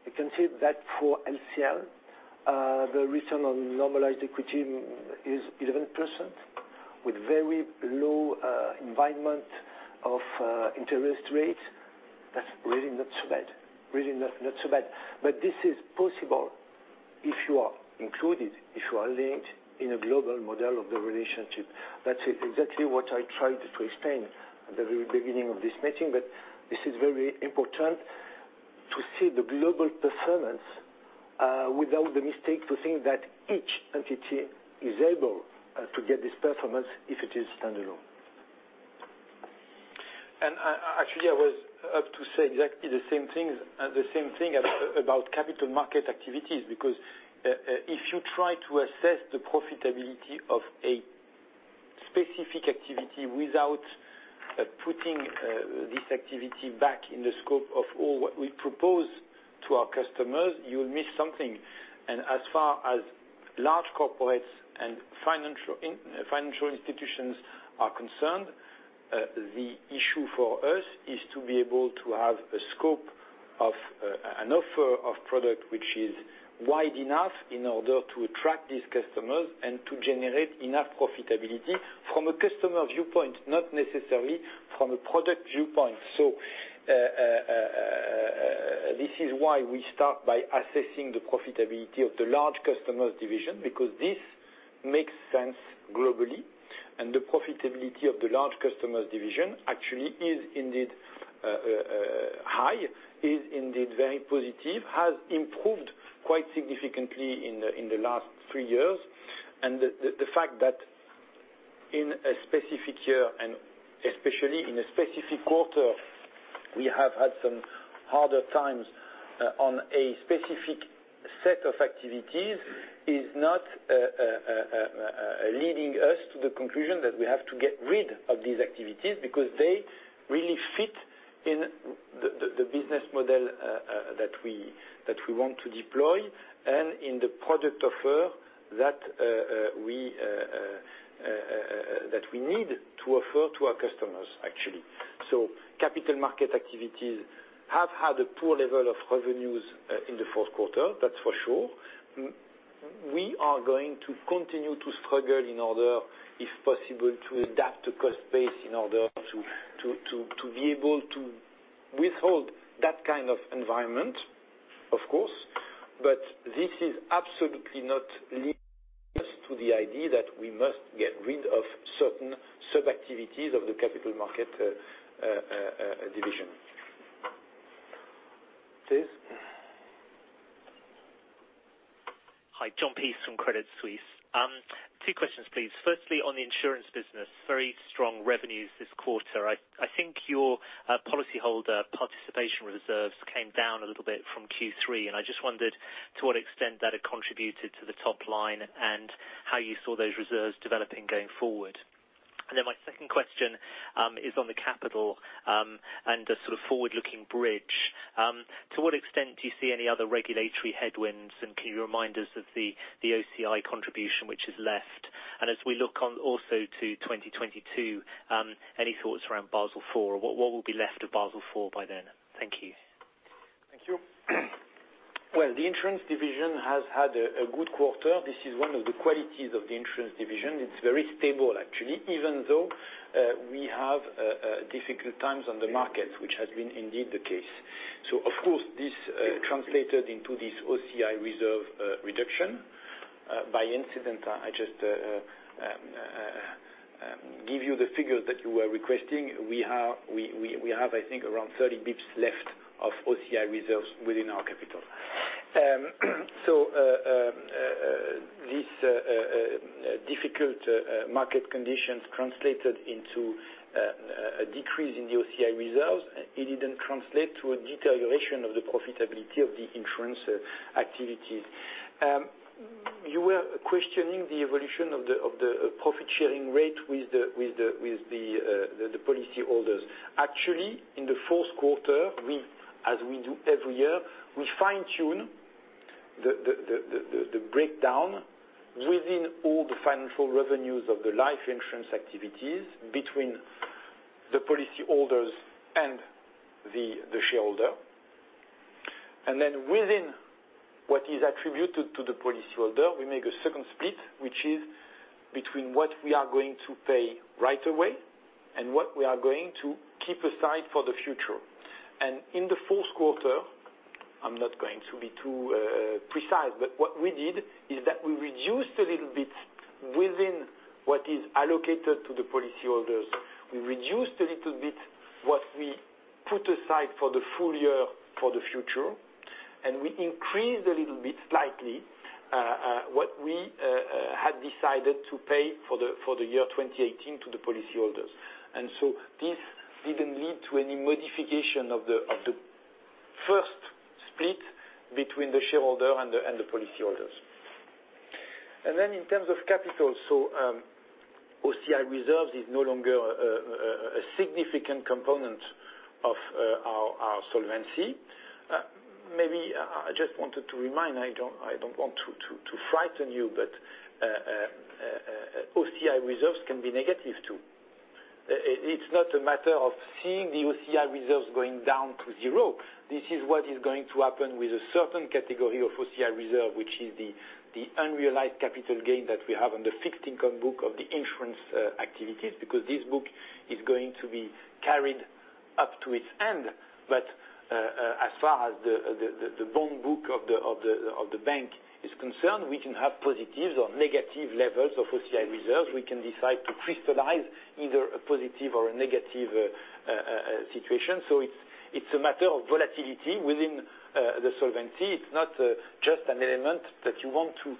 you can see that for LCL, the return on normalized equity is 11% with very low environment of interest rate. That's really not so bad. This is possible if you are included, if you are linked in a global model of the relationship. That's exactly what I tried to explain at the very beginning of this meeting, that this is very important to see the global performance without the mistake to think that each entity is able to get this performance if it is standalone. Actually, I was up to say exactly the same thing about capital market activities, because if you try to assess the profitability of a specific activity without putting this activity back in the scope of all what we propose to our customers, you'll miss something. As far as large corporates and financial institutions are concerned, the issue for us is to be able to have a scope of an offer of product which is wide enough in order to attract these customers and to generate enough profitability from a customer viewpoint, not necessarily from a product viewpoint. This is why we start by assessing the profitability of the large customers division, because this makes sense globally, and the profitability of the large customers division actually is indeed high, is indeed very positive, has improved quite significantly in the last three years. The fact that in a specific year, and especially in a specific quarter, we have had some harder times on a specific set of activities, is not leading us to the conclusion that we have to get rid of these activities because they really fit in the business model that we want to deploy and in the product offer that we need to offer to our customers, actually. Capital market activities have had a poor level of revenues in the fourth quarter, that's for sure. We are going to continue to struggle in order, if possible, to adapt to cost base in order to be able to withhold that kind of environment, of course. This is absolutely not leading us to the idea that we must get rid of certain sub-activities of the capital market division. James. Hi, Jon Peace from Credit Suisse. Two questions, please. Firstly, on the insurance business, very strong revenues this quarter. I think your policyholder participation reserves came down a little bit from Q3, and I just wondered to what extent that had contributed to the top line and how you saw those reserves developing going forward. My second question is on the capital and the sort of forward-looking bridge. To what extent do you see any other regulatory headwinds, and can you remind us of the OCI contribution which is left? As we look on also to 2022, any thoughts around Basel IV? What will be left of Basel IV by then? Thank you. Thank you. Well, the insurance division has had a good quarter. This is one of the qualities of the insurance division. It's very stable, actually, even though we have difficult times on the market, which has been indeed the case. Of course, this translated into this OCI reserve reduction. By incident, I just give you the figures that you were requesting. We have, I think, around 30 basis points left of OCI reserves within our capital. These difficult market conditions translated into a decrease in the OCI reserves. It didn't translate to a deterioration of the profitability of the insurance activities. You were questioning the evolution of the profit-sharing rate with the policyholders. Actually, in the fourth quarter, as we do every year, we fine-tune The breakdown within all the financial revenues of the life insurance activities between the policyholders and the shareholder. Within what is attributed to the policyholder, we make a second split, which is between what we are going to pay right away and what we are going to keep aside for the future. In the fourth quarter, I'm not going to be too precise, but what we did is that we reduced a little bit within what is allocated to the policyholders. We reduced a little bit what we put aside for the full year for the future, and we increased a little bit, slightly, what we had decided to pay for the year 2018 to the policyholders. This didn't lead to any modification of the first split between the shareholder and the policyholders. In terms of capital, OCI reserves is no longer a significant component of our solvency. Maybe I just wanted to remind, I don't want to frighten you, but OCI reserves can be negative, too. It's not a matter of seeing the OCI reserves going down to zero. This is what is going to happen with a certain category of OCI reserve, which is the unrealized capital gain that we have on the fixed income book of the insurance activities, because this book is going to be carried up to its end. As far as the bond book of the bank is concerned, we can have positive or negative levels of OCI reserves. We can decide to crystallize either a positive or a negative situation. It's a matter of volatility within the solvency. It's not just an element that you want to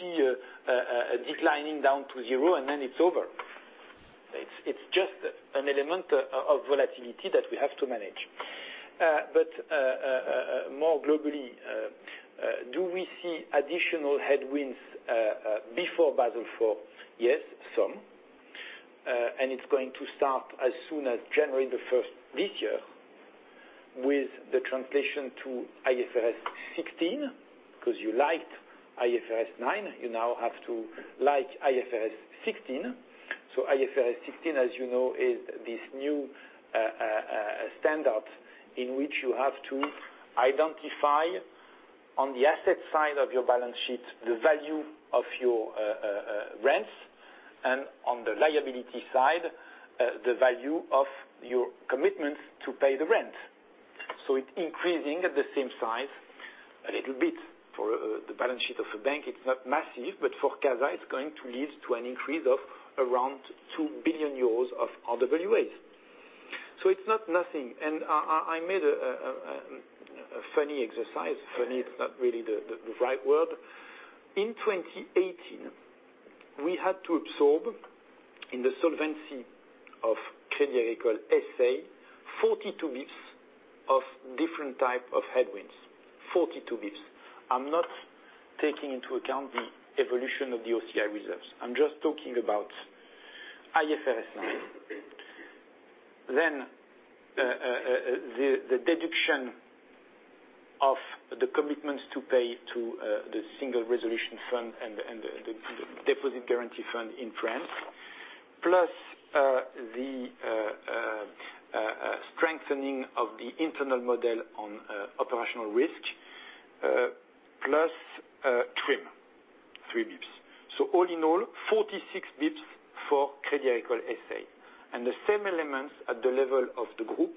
see declining down to zero, then it's over. It's just an element of volatility that we have to manage. More globally, do we see additional headwinds before Basel IV? Yes, some. It's going to start as soon as January 1st this year with the translation to IFRS 16, because you liked IFRS 9, you now have to like IFRS 16. IFRS 16, as you know, is this new standard in which you have to identify on the asset side of your balance sheet, the value of your rents, and on the liability side, the value of your commitments to pay the rent. It's increasing at the same size a little bit. For the balance sheet of a bank, it's not massive, for CASA, it's going to lead to an increase of around 2 billion euros of RWAs. It's not nothing. I made a funny exercise. Funny, it's not really the right word. In 2018, we had to absorb in the solvency of Crédit Agricole S.A., 42 basis points of different type of headwinds. 42 basis points. I'm not taking into account the evolution of the OCI reserves. I'm just talking about IFRS 9. The deduction of the commitments to pay to the Single Resolution Fund and the Deposit Guarantee Fund in France, plus the strengthening of the internal model on operational risk, plus TRIM, 3 basis points. All in all, 46 basis points for Crédit Agricole S.A. The same elements at the level of the group,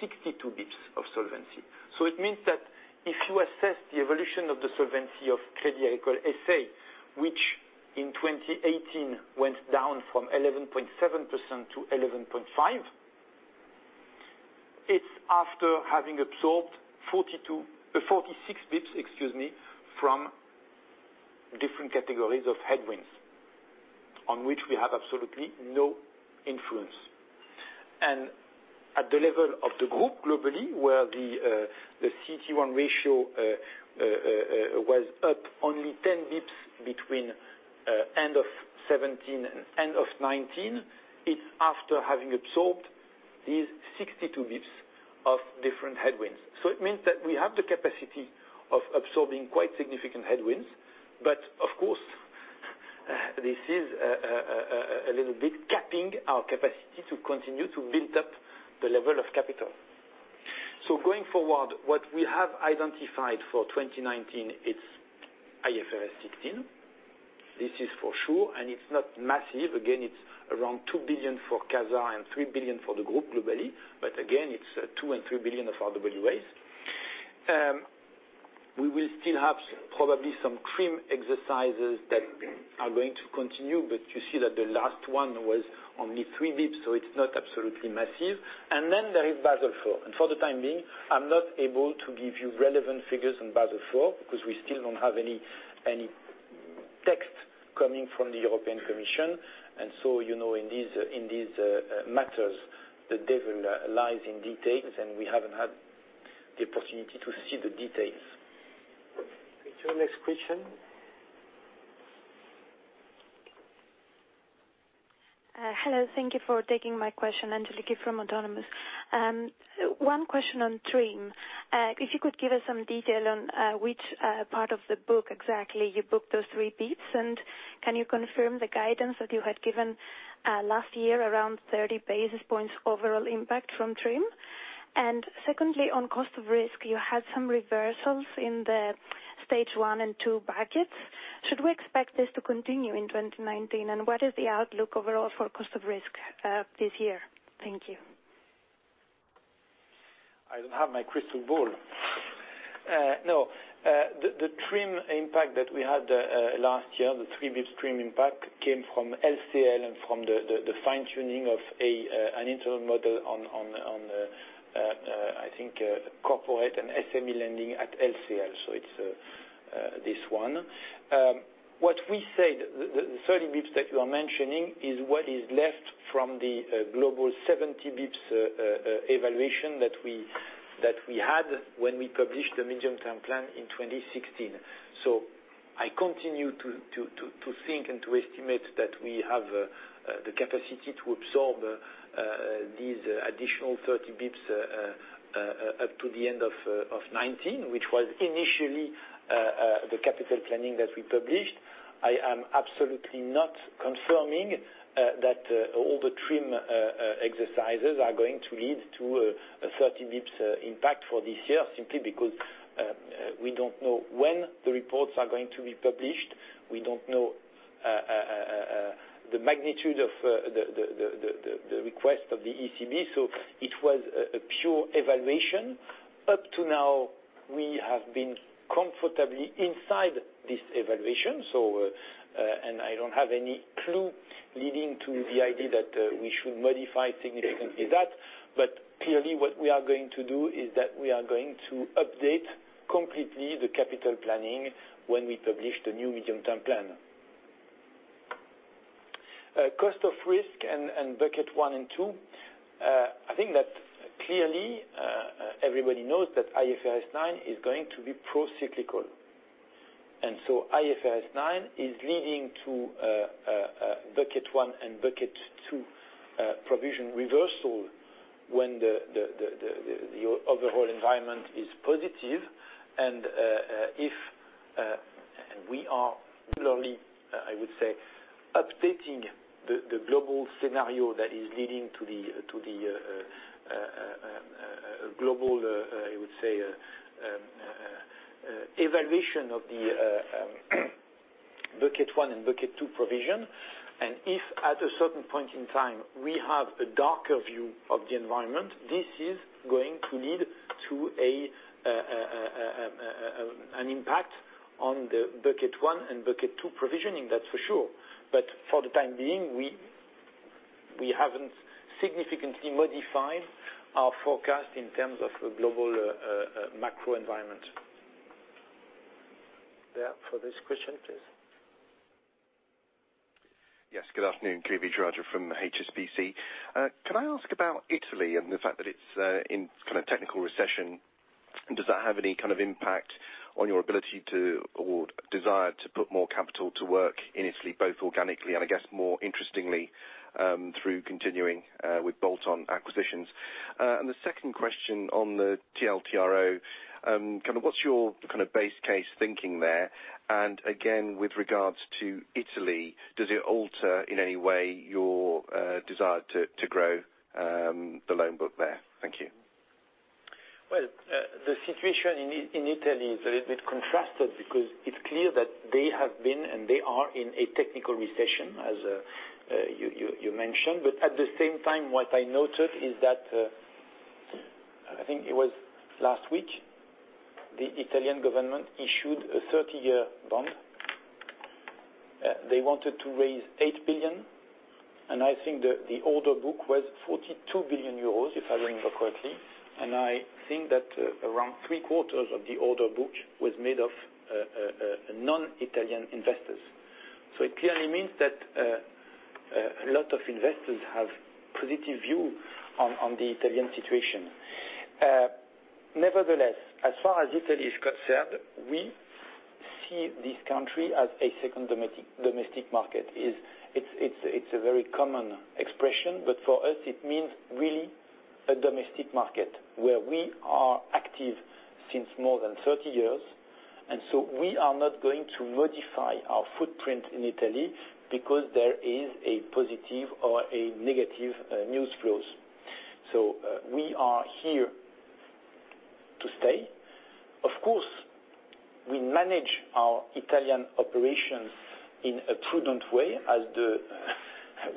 62 basis points of solvency. It means that if you assess the evolution of the solvency of Crédit Agricole S.A., which in 2018 went down from 11.7% to 11.5%, it's after having absorbed 46 basis points from different categories of headwinds on which we have absolutely no influence. At the level of the group globally, where the CET1 ratio was up only 10 basis points between end of 2017 and end of 2019, it's after having absorbed these 62 basis points of different headwinds. It means that we have the capacity of absorbing quite significant headwinds. Of course, this is a little bit capping our capacity to continue to build up the level of capital. Going forward, what we have identified for 2019, it's IFRS 16. This is for sure, and it's not massive. Again, it's around 2 billion for CASA and 3 billion for the group globally. Again, it's 2 billion and 3 billion of RWAs. We will still have probably some TRIM exercises that are going to continue, you see that the last one was only 3 basis points, it's not absolutely massive. Then there is Basel IV. For the time being, I'm not able to give you relevant figures on Basel IV because we still don't have any text coming from the European Commission. In these matters, the devil lies in details, and we haven't had the opportunity to see the details. To the next question Hello. Thank you for taking my question, Angeliki from Autonomous. One question on TRIM. If you could give us some detail on which part of the book exactly you booked those 3 basis points, and can you confirm the guidance that you had given last year around 30 basis points overall impact from TRIM? Secondly, on cost of risk, you had some reversals in the stage 1 and 2 brackets. Should we expect this to continue in 2019? What is the outlook overall for cost of risk this year? Thank you. I don't have my crystal ball. No. The TRIM impact that we had last year, the three basis points TRIM impact, came from LCL and from the fine-tuning of an internal model on, I think, corporate and SME lending at LCL. It's this one. What we said, the 30 basis points that you are mentioning, is what is left from the global 70 basis points evaluation that we had when we published the medium-term plan in 2016. I continue to think and to estimate that we have the capacity to absorb these additional 30 basis points up to the end of 2019, which was initially the capital planning that we published. I am absolutely not confirming that all the TRIM exercises are going to lead to a 30 basis points impact for this year, simply because we don't know when the reports are going to be published. We don't know the magnitude of the request of the ECB, it was a pure evaluation. Up to now, we have been comfortably inside this evaluation, I don't have any clue leading to the idea that we should modify significantly that. Clearly what we are going to do is that we are going to update completely the capital planning when we publish the new medium-term plan. Cost of risk and bucket 1 and 2. I think that clearly, everybody knows that IFRS 9 is going to be pro-cyclical, IFRS 9 is leading to bucket 1 and bucket 2 provision reversal when the overall environment is positive. We are regularly, I would say, updating the global scenario that is leading to the global, I would say, evaluation of the bucket 1 and bucket 2 provision. If at a certain point in time we have a darker view of the environment, this is going to lead to an impact on the bucket 1 and bucket 2 provisioning, that is for sure. For the time being, we haven't significantly modified our forecast in terms of the global macro environment. Yeah, for this question, please. Yes, good afternoon. Kiri Vijayrajah from HSBC. Can I ask about Italy and the fact that it is in kind of technical recession? Does that have any kind of impact on your ability to, or desire to, put more capital to work in Italy, both organically and I guess more interestingly, through continuing with bolt-on acquisitions? The second question on the TLTRO, what is your kind of base case thinking there? Again, with regards to Italy, does it alter in any way your desire to grow the loan book there? Thank you. Well, the situation in Italy is a little bit contrasted because it is clear that they have been, and they are, in a technical recession, as you mentioned. At the same time, what I noted is that, I think it was last week, the Italian government issued a 30-year bond. They wanted to raise 8 billion, and I think the order book was 42 billion euros, if I remember correctly. I think that around three-quarters of the order book was made of non-Italian investors. It clearly means that a lot of investors have positive view on the Italian situation. Nevertheless, as far as Italy is concerned, we see this country as a second domestic market. It is a very common expression, but for us it means really a domestic market where we are active since more than 30 years. We are not going to modify our footprint in Italy because there is a positive or a negative news flows. We are here to stay. Of course, we manage our Italian operations in a prudent way, as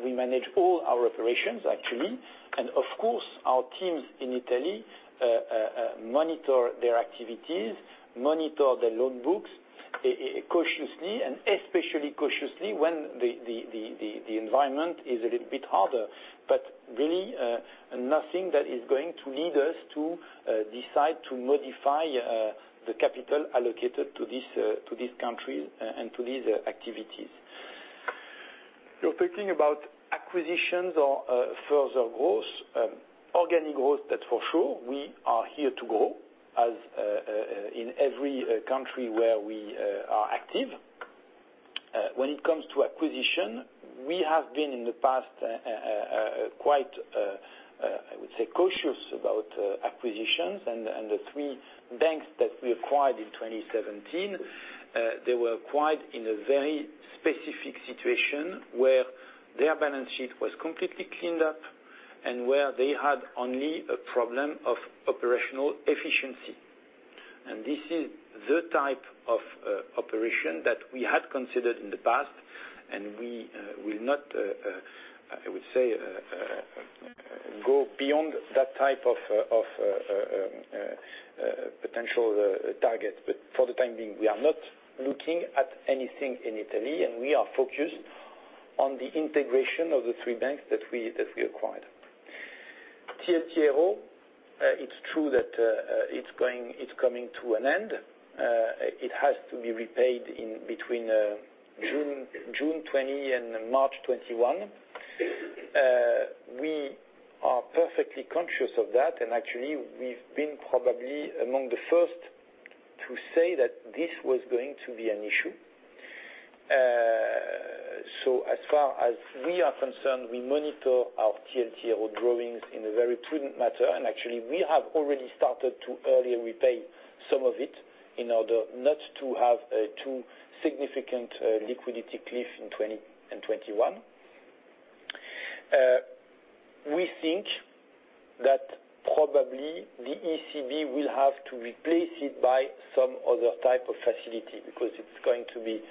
we manage all our operations, actually. Of course, our teams in Italy monitor their activities, monitor their loan books cautiously, and especially cautiously when the environment is a little bit harder. Really, nothing that is going to lead us to decide to modify the capital allocated to this country and to these activities. You are talking about acquisitions or further growth. Organic growth, that is for sure. We are here to grow, as in every country where we are active. When it comes to acquisition, we have been, in the past, quite cautious about acquisitions, and the three banks that we acquired in 2017, they were acquired in a very specific situation where their balance sheet was completely cleaned up, and where they had only a problem of operational efficiency. This is the type of operation that we had considered in the past, and we will not go beyond that type of potential target. For the time being, we are not looking at anything in Italy, and we are focused on the integration of the three banks that we acquired. TLTRO, it's true that it's coming to an end. It has to be repaid in between June 2020 and March 2021. We are perfectly conscious of that, actually, we've been probably among the first to say that this was going to be an issue. As far as we are concerned, we monitor our TLTRO drawings in a very prudent matter. Actually, we have already started to early repay some of it in order not to have a too significant liquidity cliff in 2020 and 2021. We think that probably the ECB will have to replace it by some other type of facility, because it's going to be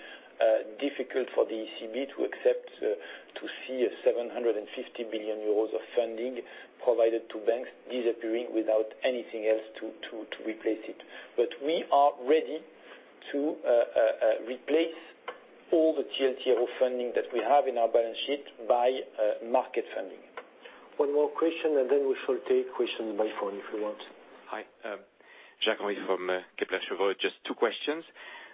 difficult for the ECB to accept to see a 750 billion euros of funding provided to banks disappearing without anything else to replace it. We are ready to replace all the TLTRO funding that we have in our balance sheet by market funding. One more question, then we shall take questions by phone, if you want. Hi. Jacques-Henri from Kepler Cheuvreux. Just two questions.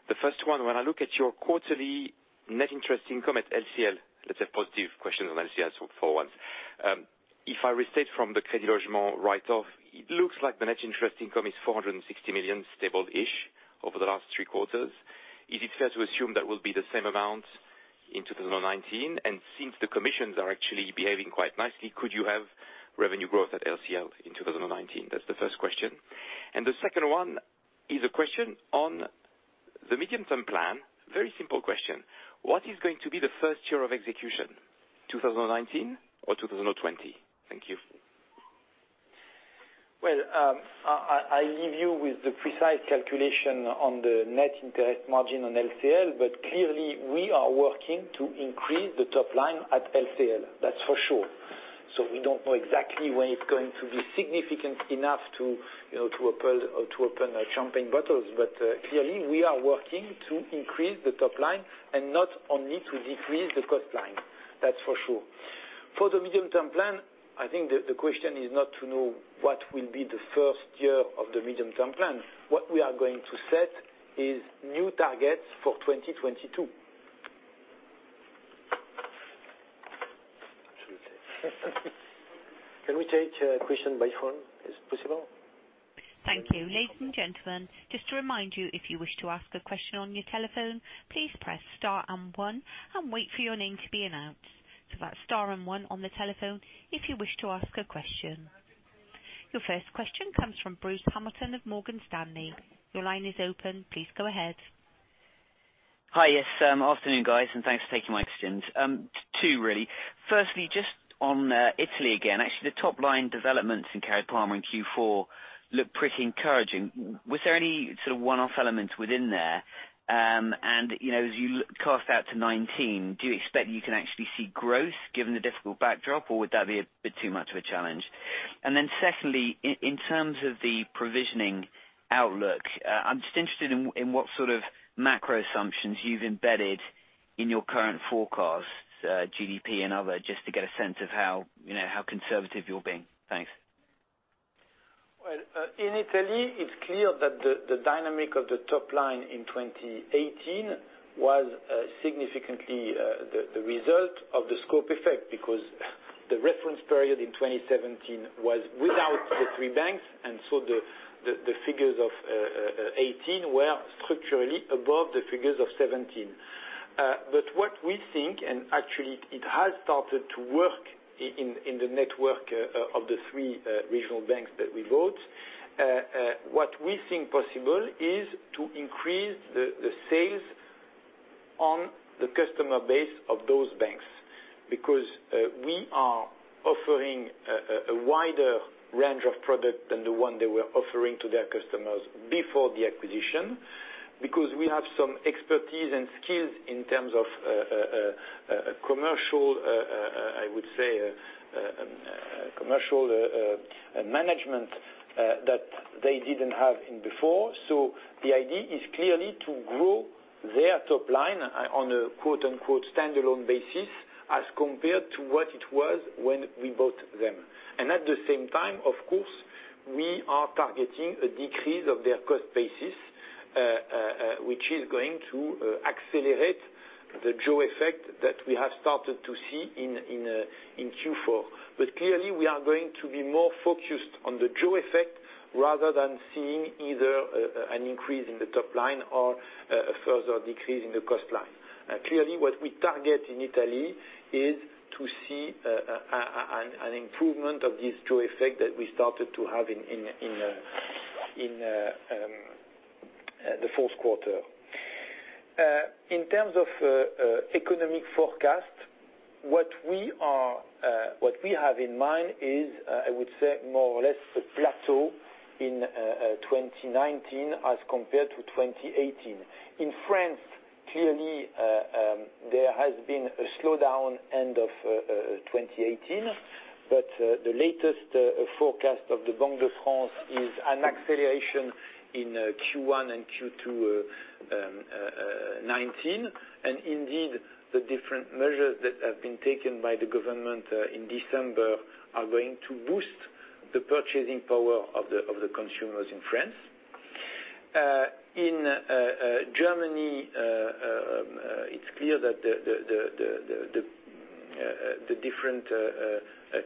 The first one, when I look at your quarterly net interest income at LCL, that's a positive question on LCL sort of forward. If I restate from the Crédit Logement write-off, it looks like the net interest income is 460 million stable-ish over the last three quarters. Is it fair to assume that will be the same amount in 2019? Since the commissions are actually behaving quite nicely, could you have revenue growth at LCL in 2019? That's the first question. The second one is a question on the medium-term plan. Very simple question. What is going to be the first year of execution, 2019 or 2020? Thank you. Well, I leave you with the precise calculation on the net interest margin on LCL. Clearly, we are working to increase the top line at LCL. That's for sure. We don't know exactly when it's going to be significant enough to open champagne bottles. Clearly, we are working to increase the top line and not only to decrease the cost line. That's for sure. For the medium-term plan, I think the question is not to know what will be the first year of the medium-term plan. What we are going to set is new targets for 2022. Absolutely. Can we take a question by phone? Is it possible? Thank you. Ladies and gentlemen, just to remind you, if you wish to ask a question on your telephone, please press star and one and wait for your name to be announced. That's star and one on the telephone if you wish to ask a question. Your first question comes from Bruce Hamilton of Morgan Stanley. Your line is open. Please go ahead. Hi. Yes. Afternoon, guys, and thanks for taking my questions. Two, really. Firstly, just on Italy again. Actually, the top-line developments in Cariparma in Q4 look pretty encouraging. Was there any sort of one-off elements within there? As you cast out to 2019, do you expect you can actually see growth given the difficult backdrop, or would that be a bit too much of a challenge? Secondly, in terms of the provisioning outlook, I'm just interested in what sort of macro assumptions you've embedded in your current forecast, GDP and other, just to get a sense of how conservative you're being. Thanks. Well, in Italy, it's clear that the dynamic of the top line in 2018 was significantly the result of the scope effect because the reference period in 2017 was without the three banks, and so the figures of 2018 were structurally above the figures of 2017. What we think, and actually it has started to work in the network of the three regional banks that we bought, what we think possible is to increase the sales on the customer base of those banks because we are offering a wider range of product than the one they were offering to their customers before the acquisition, because we have some expertise and skills in terms of commercial management that they didn't have in before. The idea is clearly to grow their top line on a quote, unquote, "standalone basis" as compared to what it was when we bought them. At the same time, of course, we are targeting a decrease of their cost basis, which is going to accelerate the Jaws effect that we have started to see in Q4. Clearly, we are going to be more focused on the Jaws effect rather than seeing either an increase in the top line or a further decrease in the cost line. Clearly, what we target in Italy is to see an improvement of this Jaws effect that we started to have in the fourth quarter. In terms of economic forecast, what we have in mind is, I would say, more or less a plateau in 2019 as compared to 2018. In France, clearly, there has been a slowdown end of 2018. The latest forecast of the Banque de France is an acceleration in Q1 and Q2 2019. Indeed, the different measures that have been taken by the government in December are going to boost the purchasing power of the consumers in France. In Germany, it's clear that the different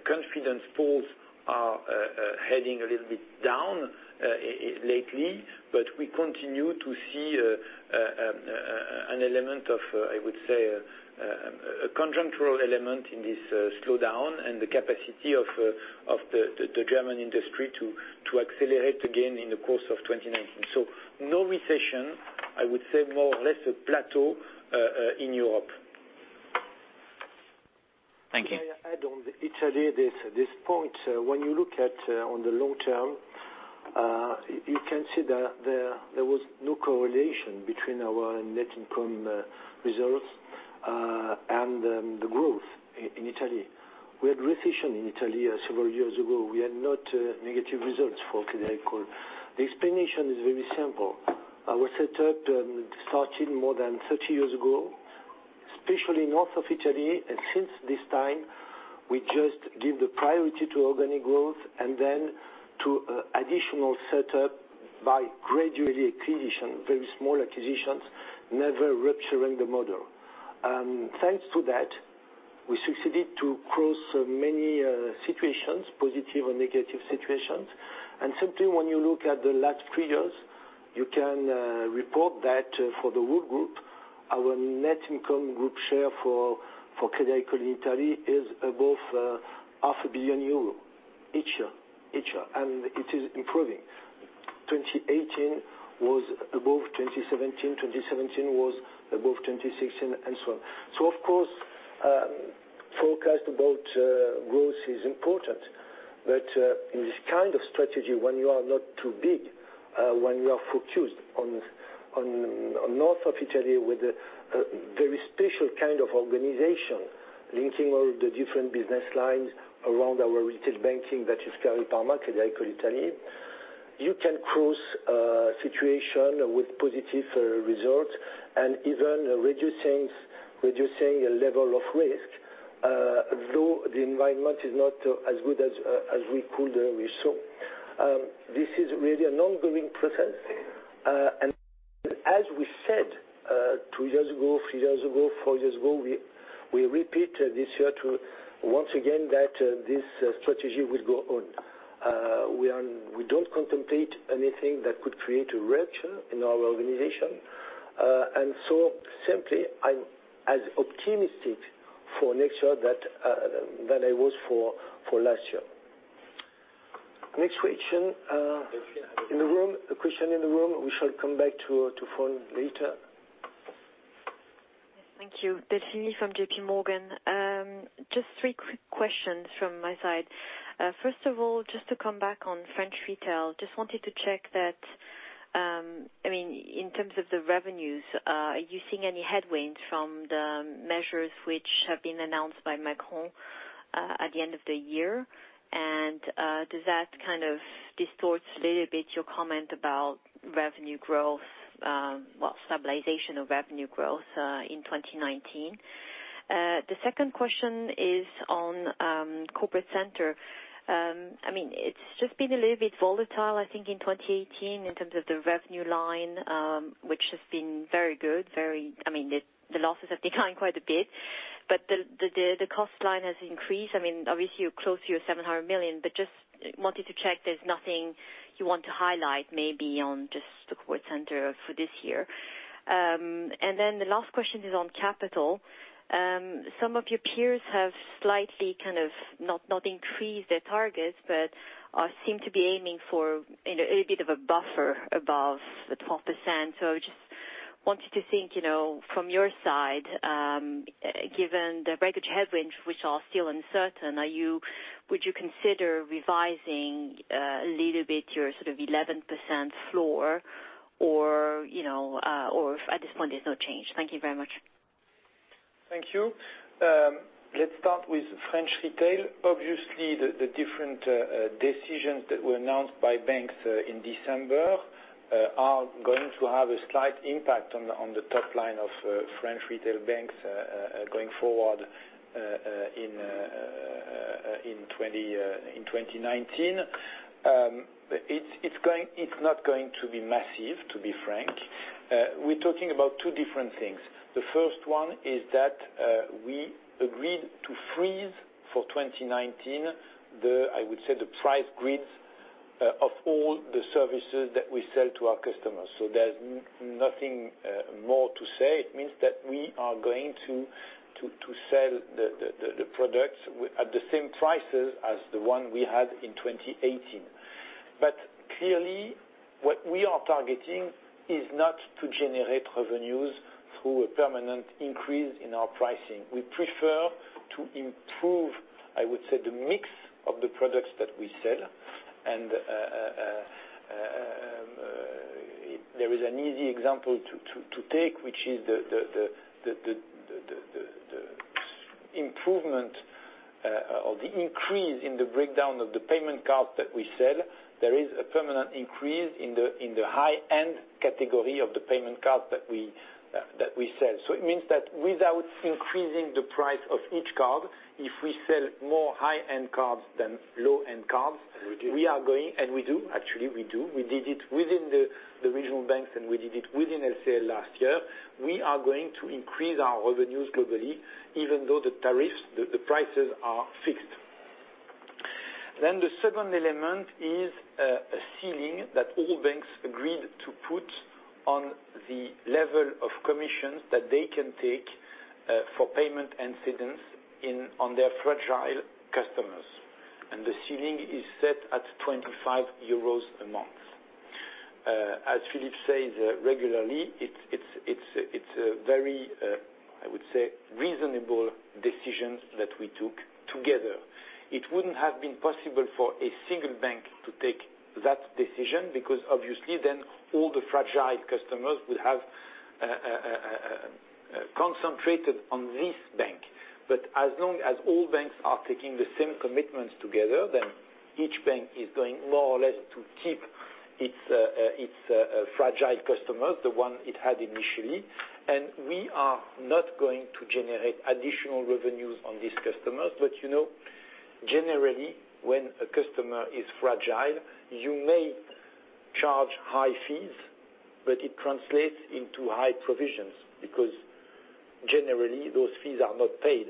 confidence polls are heading a little bit down lately, but we continue to see a conjunctural element in this slowdown and the capacity of the German industry to accelerate again in the course of 2019. So no recession, I would say more or less a plateau in Europe. Thank you. May I add on Italy, this point, when you look at on the long term, you can see that there was no correlation between our net income results and the growth in Italy. We had recession in Italy several years ago. We had not negative results for Crédit Agricole. The explanation is very simple. Our setup started more than 30 years ago, especially north of Italy, and since this time, we just give the priority to organic growth and then to additional setup by gradually acquisition, very small acquisitions, never rupturing the model. Thanks to that, we succeeded to cross many situations, positive and negative situations. Simply when you look at the last three years, you can report that for the whole group, our net income group share for Crédit Agricole in Italy is above half a billion euro each year, and it is improving. 2018 was above 2017 was above 2016, and so on. Of course, forecast about growth is important, but in this kind of strategy, when you are not too big, when you are focused on north of Italy with a very special kind of organization, linking all the different business lines around our retail banking, that is Cariparma, Crédit Agricole in Italy, you can cross a situation with positive results and even reducing level of risk, though the environment is not as good as we could have shown. This is really an ongoing process. As we said two years ago, three years ago, four years ago, we repeat this year once again that this strategy will go on. We don't contemplate anything that could create a rupture in our organization. Simply, I'm as optimistic for next year than I was for last year. Next question. A question in the room. We shall come back to phone later. Yes. Thank you. Delphine from JPMorgan. Just three quick questions from my side. First of all, just to come back on French retail, just wanted to check that, in terms of the revenues, are you seeing any headwinds from the measures which have been announced by Macron at the end of the year? Does that kind of distorts a little bit your comment about revenue growth, well, stabilization of revenue growth, in 2019? The second question is on Corporate Center. It's just been a little bit volatile, I think, in 2018 in terms of the revenue line, which has been very good. The losses have declined quite a bit, but the cost line has increased. Obviously, you're close to your 700 million, but just wanted to check there's nothing you want to highlight maybe on just the Corporate Center for this year. The last question is on capital. Some of your peers have slightly kind of not increased their targets, but seem to be aiming for a little bit of a buffer above the 12%. Just wanted to think, from your side, given the breakage headwinds, which are still uncertain, would you consider revising a little bit your sort of 11% floor or if at this point there's no change. Thank you very much. Thank you. Let's start with French retail. Obviously, the different decisions that were announced by banks in December are going to have a slight impact on the top line of French retail banks going forward in 2019. It's not going to be massive, to be frank. We're talking about two different things. The first one is that we agreed to freeze for 2019, I would say, the price grids of all the services that we sell to our customers. There's nothing more to say. It means that we are going to sell the products at the same prices as the one we had in 2018. Clearly, what we are targeting is not to generate revenues through a permanent increase in our pricing. We prefer to improve, I would say, the mix of the products that we sell. There is an easy example to take, which is the improvement or the increase in the breakdown of the payment card that we sell. There is a permanent increase in the high-end category of the payment card that we sell. It means that without increasing the price of each card, if we sell more high-end cards than low-end cards. We do. We do, actually, we do. We did it within the Caisse Régionale, and we did it within LCL last year. We are going to increase our revenues globally, even though the tariffs, the prices are fixed. The second element is a ceiling that all banks agreed to put on the level of commissions that they can take for payment incidents on their fragile customers. The ceiling is set at 25 euros a month. As Philippe says regularly, it's a very, I would say, reasonable decision that we took together. It wouldn't have been possible for a single bank to take that decision because obviously all the fragile customers will have concentrated on this bank. As long as all banks are taking the same commitments together, each bank is going more or less to keep its fragile customers, the one it had initially. We are not going to generate additional revenues on these customers. Generally, when a customer is fragile, you may charge high fees, but it translates into high provisions, because generally, those fees are not paid.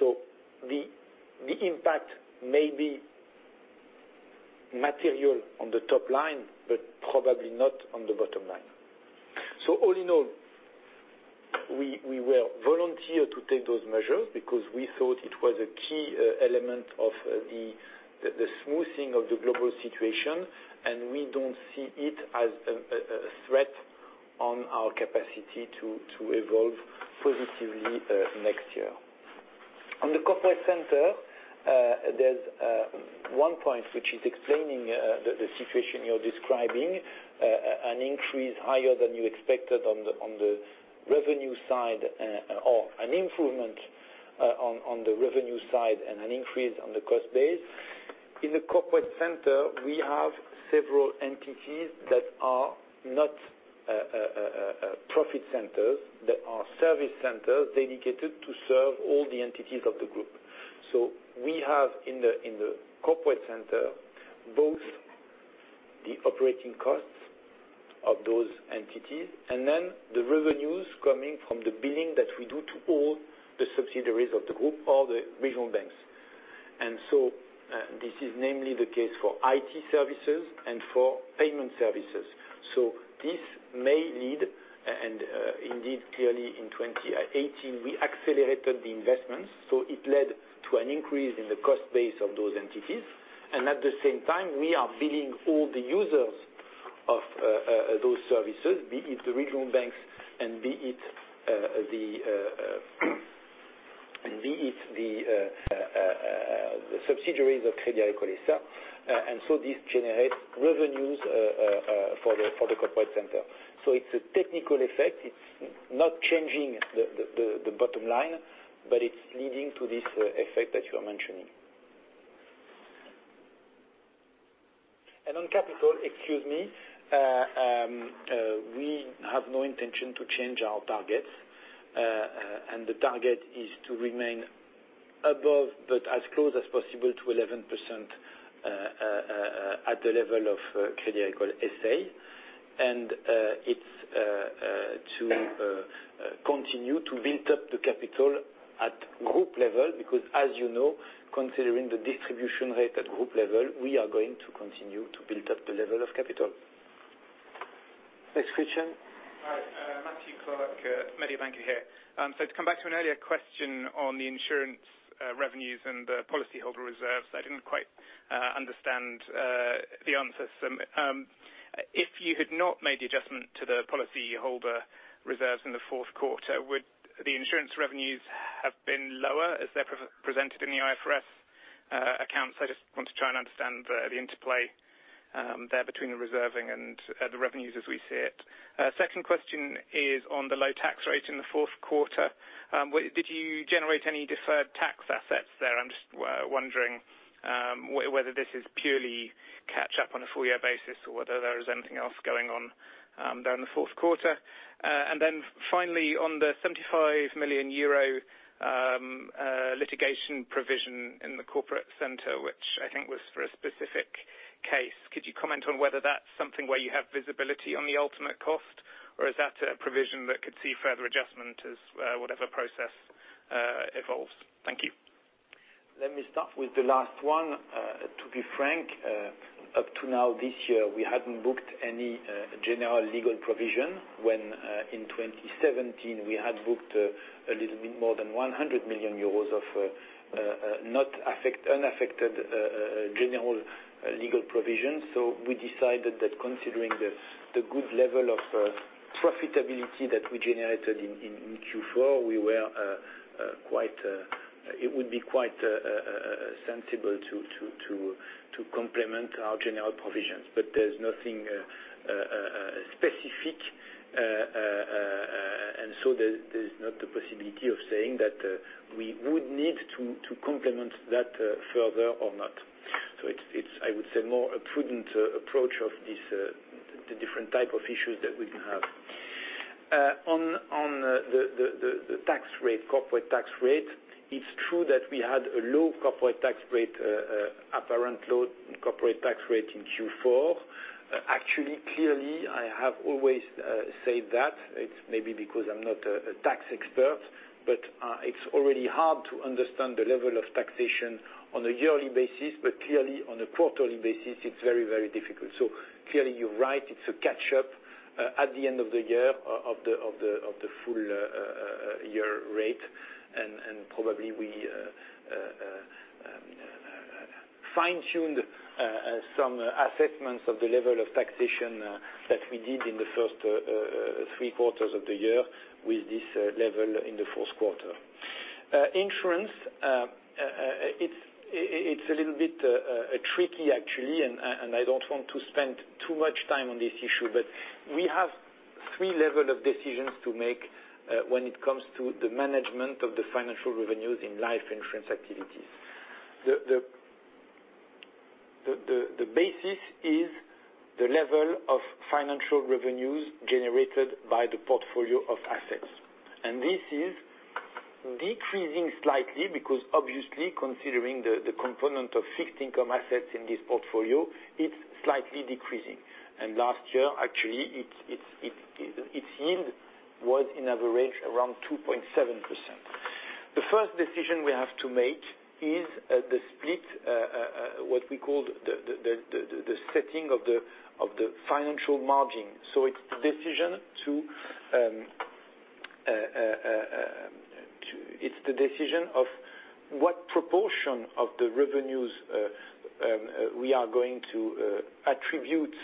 The impact may be material on the top line, but probably not on the bottom line. All in all, we were volunteer to take those measures because we thought it was a key element of the smoothing of the global situation, and we don't see it as a threat on our capacity to evolve positively next year. On the corporate center, there's one point which is explaining the situation you're describing, an increase higher than you expected on the revenue side, or an improvement on the revenue side and an increase on the cost base. In the corporate center, we have several entities that are not profit centers, that are service centers dedicated to serve all the entities of the group. We have in the corporate center, both the operating costs of those entities and the revenues coming from the billing that we do to all the subsidiaries of the group or the Caisse Régionale. This is namely the case for IT services and for payment services. This may lead, and indeed clearly in 2018, we accelerated the investments, it led to an increase in the cost base of those entities. At the same time, we are billing all the users of those services, be it the Caisse Régionale and be it the subsidiaries of Crédit Agricole S.A.. This generates revenues for the corporate center. It's a technical effect. It's not changing the bottom line, but it's leading to this effect that you are mentioning. On capital, excuse me, we have no intention to change our targets. The target is to remain above, but as close as possible to 11% at the level of Crédit Agricole S.A.. It's to continue to build up the capital at group level, because as you know, considering the distribution rate at group level, we are going to continue to build up the level of capital. Next question. Hi. Matthew Clark, Mediobanca here. To come back to an earlier question on the insurance revenues and the policyholder reserves, I didn't quite understand the answer. If you had not made the adjustment to the policyholder reserves in the fourth quarter, would the insurance revenues have been lower as they're presented in the IFRS accounts? I just want to try and understand the interplay there between the reserving and the revenues as we see it. Second question is on the low tax rate in the fourth quarter. Did you generate any deferred tax assets there? I am just wondering whether this is purely catch up on a full year basis or whether there is anything else going on during the fourth quarter. Finally, on the 75 million euro litigation provision in the corporate center, which I think was for a specific case, could you comment on whether that's something where you have visibility on the ultimate cost, or is that a provision that could see further adjustment as whatever process evolves? Thank you. Let me start with the last one. To be frank, up to now this year, we hadn't booked any general legal provision when, in 2017, we had booked a little bit more than 100 million euros of unaffected general legal provisions. We decided that considering the good level of profitability that we generated in Q4, it would be quite sensible to complement our general provisions. There's nothing specific, there is not the possibility of saying that we would need to complement that further or not. It's, I would say, more a prudent approach of the different type of issues that we can have. On the corporate tax rate, it's true that we had a low corporate tax rate, apparent low corporate tax rate in Q4. Clearly, I have always said that, it's maybe because I'm not a tax expert, but it's already hard to understand the level of taxation on a yearly basis. Clearly, on a quarterly basis, it's very difficult. Clearly, you're right, it's a catch-up at the end of the year of the full year rate, and probably we fine-tuned some assessments of the level of taxation that we did in the first three quarters of the year with this level in the fourth quarter. Insurance, it's a little bit tricky, actually, and I don't want to spend too much time on this issue. We have three level of decisions to make when it comes to the management of the financial revenues in life insurance activities. The basis is the level of financial revenues generated by the portfolio of assets. This is decreasing slightly because obviously, considering the component of fixed income assets in this portfolio, it's slightly decreasing. Last year, actually, its yield was an average around 2.7%. The first decision we have to make is the split, what we call the setting of the financial margin. It's the decision of what proportion of the revenues we are going to attribute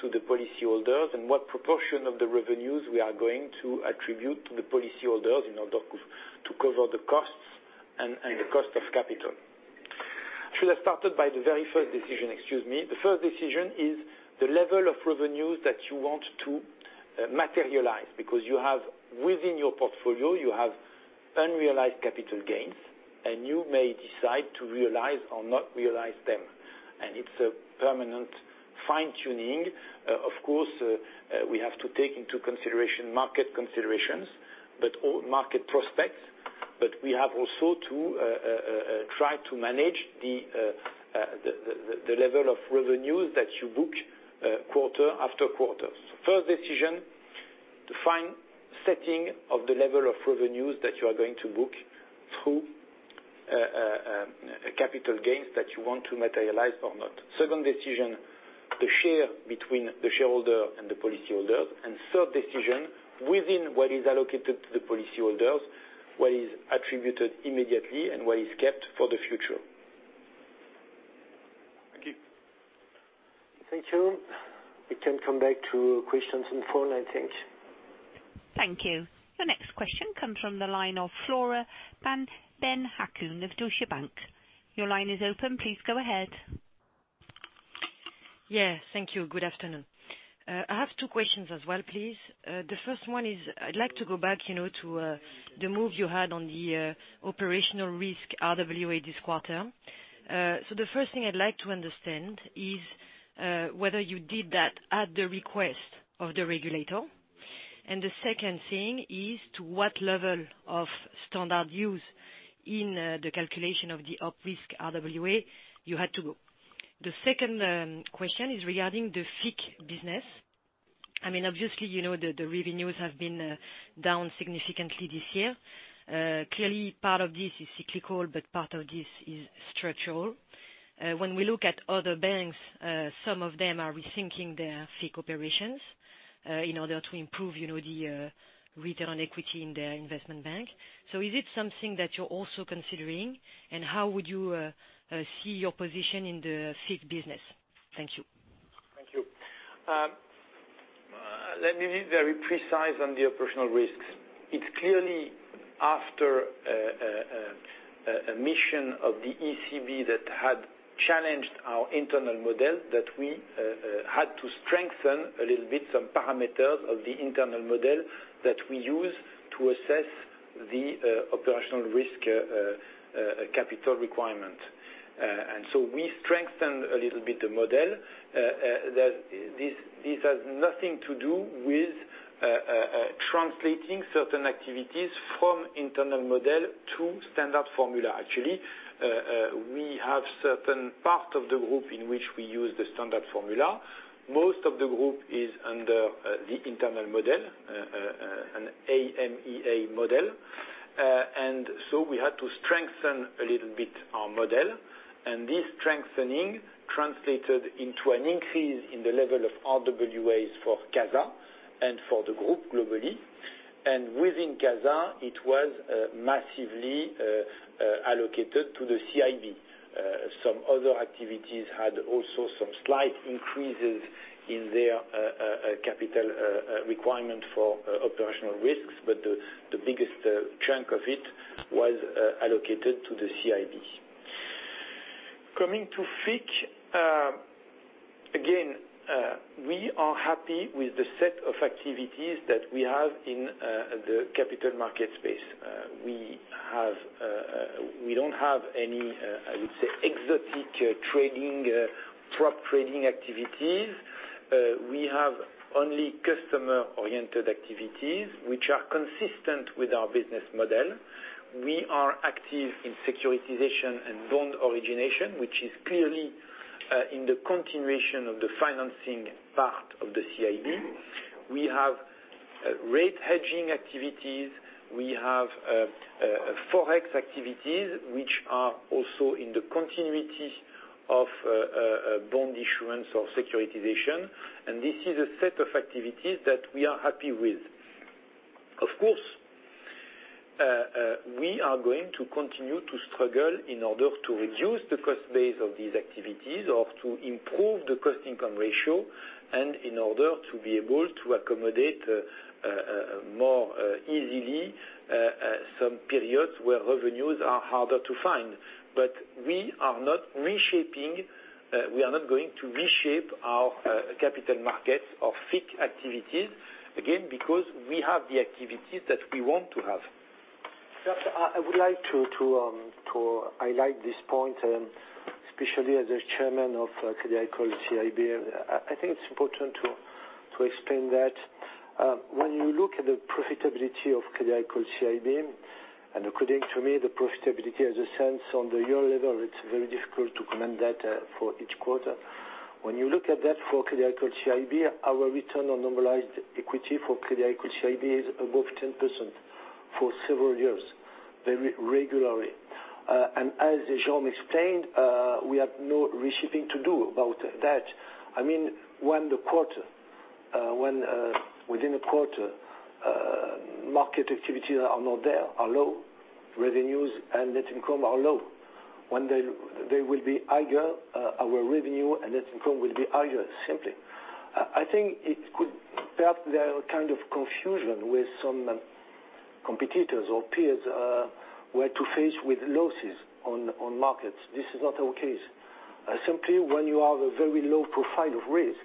to the policyholders and what proportion of the revenues we are going to attribute to the policyholders in order to cover the costs and the cost of capital. I should have started by the very first decision, excuse me. The first decision is the level of revenues that you want to materialize because within your portfolio, you have unrealized capital gains, and you may decide to realize or not realize them. It's a permanent fine-tuning. Of course, we have to take into consideration market considerations, market prospects, but we have also to try to manage the level of revenues that you book quarter-after-quarter. First decision, to find setting of the level of revenues that you are going to book through capital gains that you want to materialize or not. Second decision, the share between the shareholder and the policyholder. Third decision, within what is allocated to the policyholders, what is attributed immediately and what is kept for the future. Thank you. Thank you. We can come back to questions on phone, I think. Thank you. Your next question comes from the line of Flora Benhakoun of Deutsche Bank. Your line is open. Please go ahead. Yeah, thank you. Good afternoon. I have two questions as well, please. The first one is, I'd like to go back to the move you had on the operational risk RWA this quarter. The first thing I'd like to understand is whether you did that at the request of the regulator. The second thing is to what level of standard use in the calculation of the op risk RWA you had to go. The second question is regarding the FICC business. Obviously, the revenues have been down significantly this year. Clearly, part of this is cyclical, but part of this is structural. When we look at other banks, some of them are rethinking their FICC operations in order to improve the return on equity in their investment bank. Is it something that you're also considering? How would you see your position in the FICC business? Thank you. Thank you. Let me be very precise on the operational risks. It's clearly after a mission of the ECB that had challenged our internal model that we had to strengthen a little bit some parameters of the internal model that we use to assess the operational risk capital requirement. We strengthened a little bit the model. This has nothing to do with translating certain activities from internal model to standard formula, actually. We have certain part of the group in which we use the standard formula. Most of the group is under the internal model, an AMA model. We had to strengthen a little bit our model. This strengthening translated into an increase in the level of RWAs for CASA and for the group globally. Within CASA, it was massively allocated to the CIB. Some other activities had also some slight increases in their capital requirement for operational risks, but the biggest chunk of it was allocated to the CIB. Coming to FICC, again, we are happy with the set of activities that we have in the capital market space. We don't have any, I would say, exotic trading, prop trading activities. We have only customer-oriented activities, which are consistent with our business model. We are active in securitization and bond origination, which is clearly in the continuation of the financing part of the CIB. We have rate hedging activities. We have Forex activities, which are also in the continuities of bond issuance or securitization. This is a set of activities that we are happy with. Of course, we are going to continue to struggle in order to reduce the cost base of these activities or to improve the cost-income ratio and in order to be able to accommodate more easily some periods where revenues are harder to find. We are not going to reshape our capital markets or FICC activities, again, because we have the activities that we want to have. I would like to highlight this point, especially as a chairman of Crédit Agricole CIB. I think it's important to explain that. When you look at the profitability of Crédit Agricole CIB, according to me, the profitability as a sense on the year level, it's very difficult to comment that for each quarter. When you look at that for Crédit Agricole CIB, our return on normalized equity for Crédit Agricole CIB is above 10% for several years, very regularly. As Jérôme explained, we have no reshaping to do about that. When within a quarter, market activities are not there, are low, revenues and net income are low. When they will be higher, our revenue and net income will be higher, simply. I think it could perhaps there are kind of confusion with some competitors or peers, were to face with losses on markets. This is not our case. Simply when you have a very low profile of risk,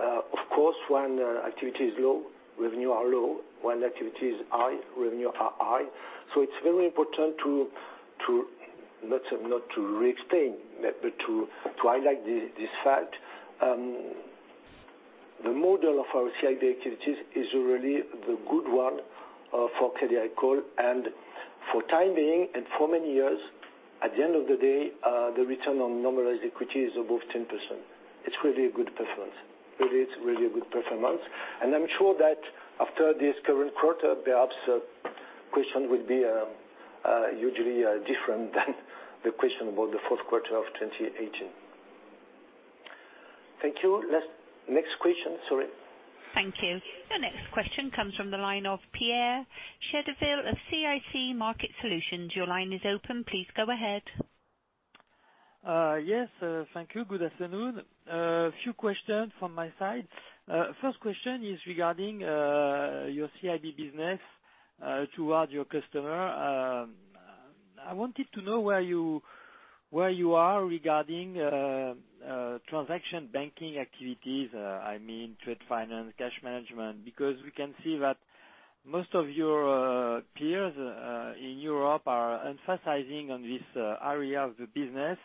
of course, when activity is low, revenue are low, when activity is high, revenue are high. It's very important, not to re-explain, but to highlight this fact. The model of our CIB activities is really the good one for Crédit Agricole and for time being and for many years, at the end of the day, the return on normalized equity is above 10%. It's really a good performance. Really, it's really a good performance. I'm sure that after this current quarter, perhaps the question will be hugely different than the question about the fourth quarter of 2018. Thank you. Next question. Sorry. Thank you. Your next question comes from the line of Pierre Chédeville of CIC Market Solutions. Your line is open. Please go ahead. Yes, thank you. Good afternoon. A few questions from my side. First question is regarding your CIB business towards your customer. I wanted to know where you are regarding transaction banking activities, I mean, trade finance, cash management, because we can see that most of your peers in Europe are emphasizing on this area of the business,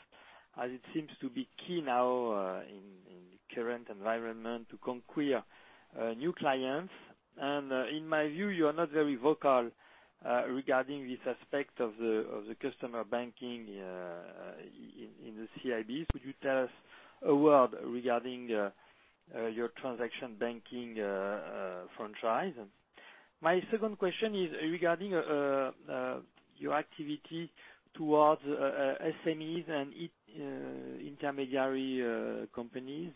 as it seems to be key now in the current environment to conquer new clients. In my view, you are not very vocal regarding this aspect of the customer banking in the CIBs. Could you tell us a word regarding your transaction banking franchise? My second question is regarding your activity towards SMEs and intermediary companies,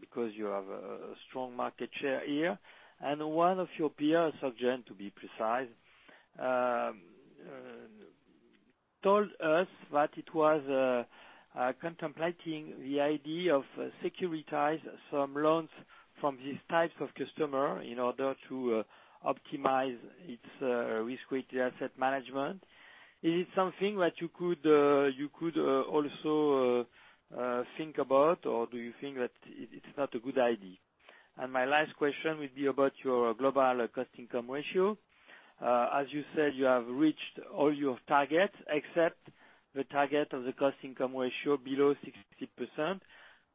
because you have a strong market share here. One of your peers, Société Générale to be precise, told us that it was contemplating the idea of securitize some loans from these types of customer in order to optimize its risk-weighted asset management. Is it something that you could also think about, or do you think that it's not a good idea? My last question would be about your global cost income ratio. As you said, you have reached all your targets except the target of the cost income ratio below 60%.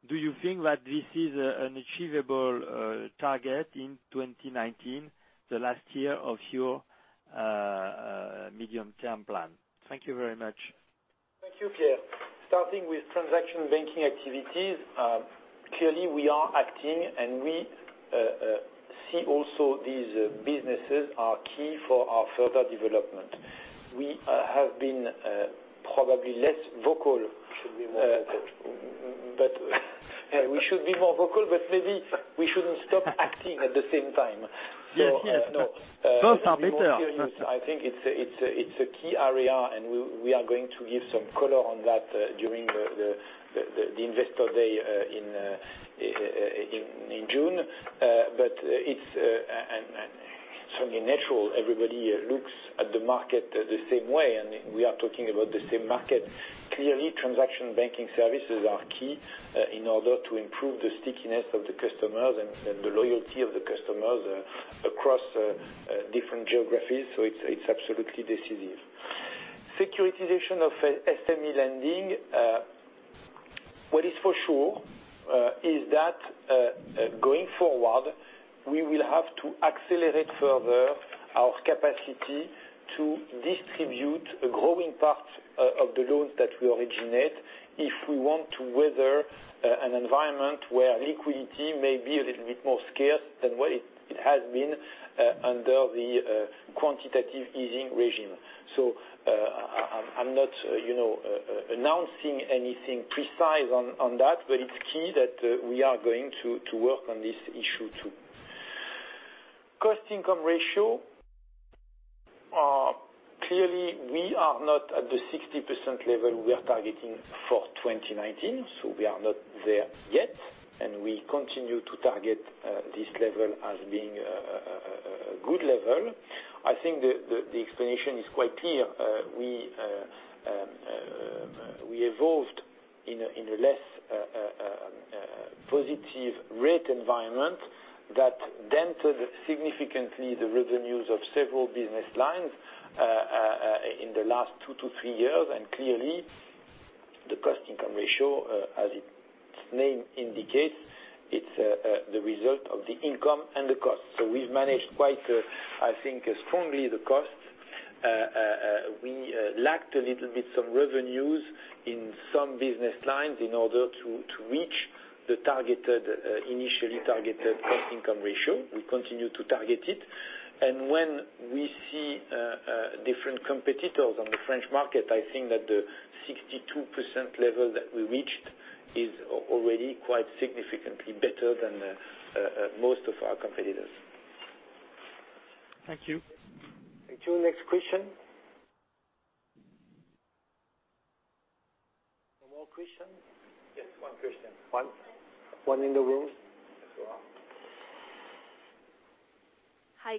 Do you think that this is an achievable target in 2019, the last year of your medium-term plan. Thank you very much. Thank you, Pierre. Starting with transaction banking activities, clearly we are acting, and we see also these businesses are key for our further development. We have been probably less vocal. Should be more vocal. We should be more vocal, but maybe we shouldn't stop acting at the same time. Yes. Both are better. I think it's a key area. We are going to give some color on that during the Investor Day in June. It's certainly natural, everybody looks at the market the same way, and we are talking about the same market. Clearly, transaction banking services are key in order to improve the stickiness of the customers and the loyalty of the customers across different geographies. It's absolutely decisive. Securitization of SME lending. What is for sure is that going forward, we will have to accelerate further our capacity to distribute a growing part of the loans that we originate if we want to weather an environment where liquidity may be a little bit more scarce than what it has been under the quantitative easing regime. I'm not announcing anything precise on that, but it's key that we are going to work on this issue, too. Cost-income ratio. Clearly, we are not at the 60% level we are targeting for 2019. We are not there yet. We continue to target this level as being a good level. I think the explanation is quite clear. We evolved in a less positive rate environment that dented significantly the revenues of several business lines in the last two to three years. Clearly the cost-income ratio, as its name indicates, it's the result of the income and the cost. We've managed quite, I think, strongly the costs. We lacked a little bit some revenues in some business lines in order to reach the initially targeted cost-income ratio. We continue to target it. When we see different competitors on the French market, I think that the 62% level that we reached is already quite significantly better than most of our competitors. Thank you. Thank you. Next question. No more question? Yes, one question. One in the room. Yes, Laura. Hi.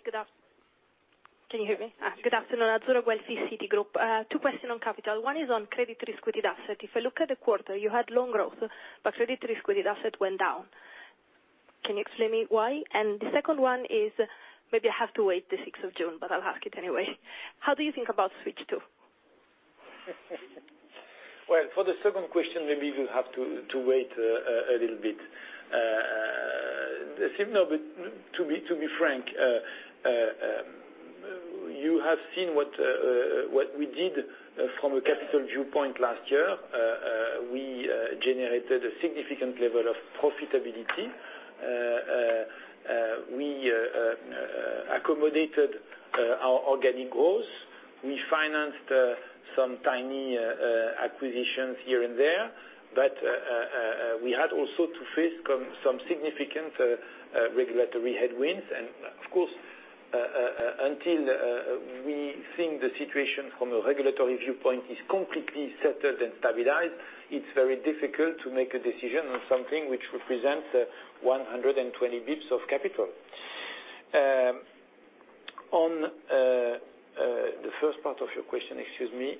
Can you hear me? Good afternoon. Azzurra Guelfi, Citigroup. Two question on capital. One is on credit risk-weighted asset. If I look at the quarter, you had loan growth, but credit risk-weighted asset went down. Can you explain me why? The second one is, maybe I have to wait the 6th of June, but I'll ask it anyway. How do you think about Switch 2? Well, for the second question, maybe you have to wait a little bit. To be frank, you have seen what we did from a capital viewpoint last year. We generated a significant level of profitability. We accommodated our organic growth. We financed some tiny acquisitions here and there, but we had also to face some significant regulatory headwinds, and of course, until we think the situation from a regulatory viewpoint is completely settled and stabilized, it's very difficult to make a decision on something which represents 120 basis points of capital. On the first part of your question, excuse me.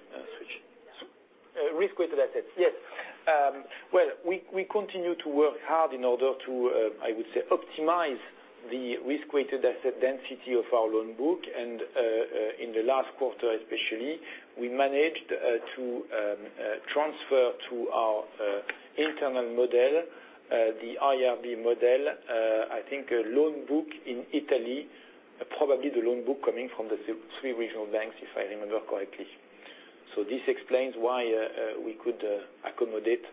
Risk-Weighted Asset. Risk-Weighted Asset. Yes. Well, we continue to work hard in order to, I would say, optimize the Risk-Weighted Asset density of our loan book, and in the last quarter, especially, we managed to transfer to our internal model, the IRB model, I think a loan book in Italy, probably the loan book coming from the three regional banks, if I remember correctly. This explains why we could accommodate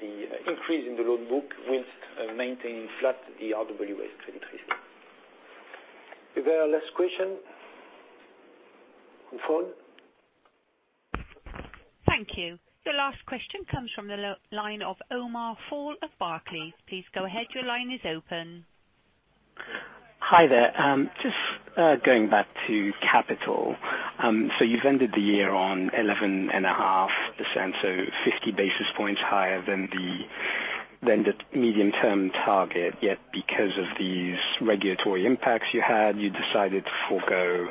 the increase in the loan book whilst maintaining flat the RWA credit risk. Is there a last question on phone? Thank you. The last question comes from the line of Omar Fall of Barclays. Please go ahead. Your line is open. Hi there. Just going back to capital. You've ended the year on 11.5%, 50 basis points higher than the medium-term target, yet because of these regulatory impacts you had, you decided to forego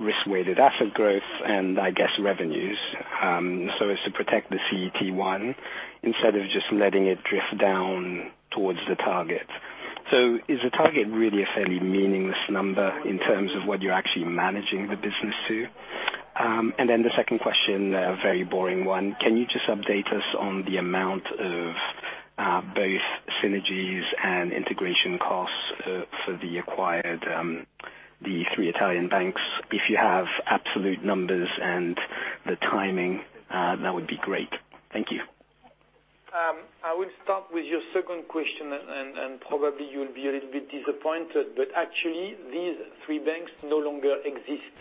risk-weighted asset growth and, I guess, revenues, as to protect the CET1, instead of just letting it drift down towards the target. Is the target really a fairly meaningless number in terms of what you're actually managing the business to? And then the second question, a very boring one. Can you just update us on the amount of both synergies and integration costs for the acquired, the three Italian banks. If you have absolute numbers and the timing, that would be great. Thank you. I will start with your second question. Probably you'll be a little bit disappointed, but actually these three banks no longer exist.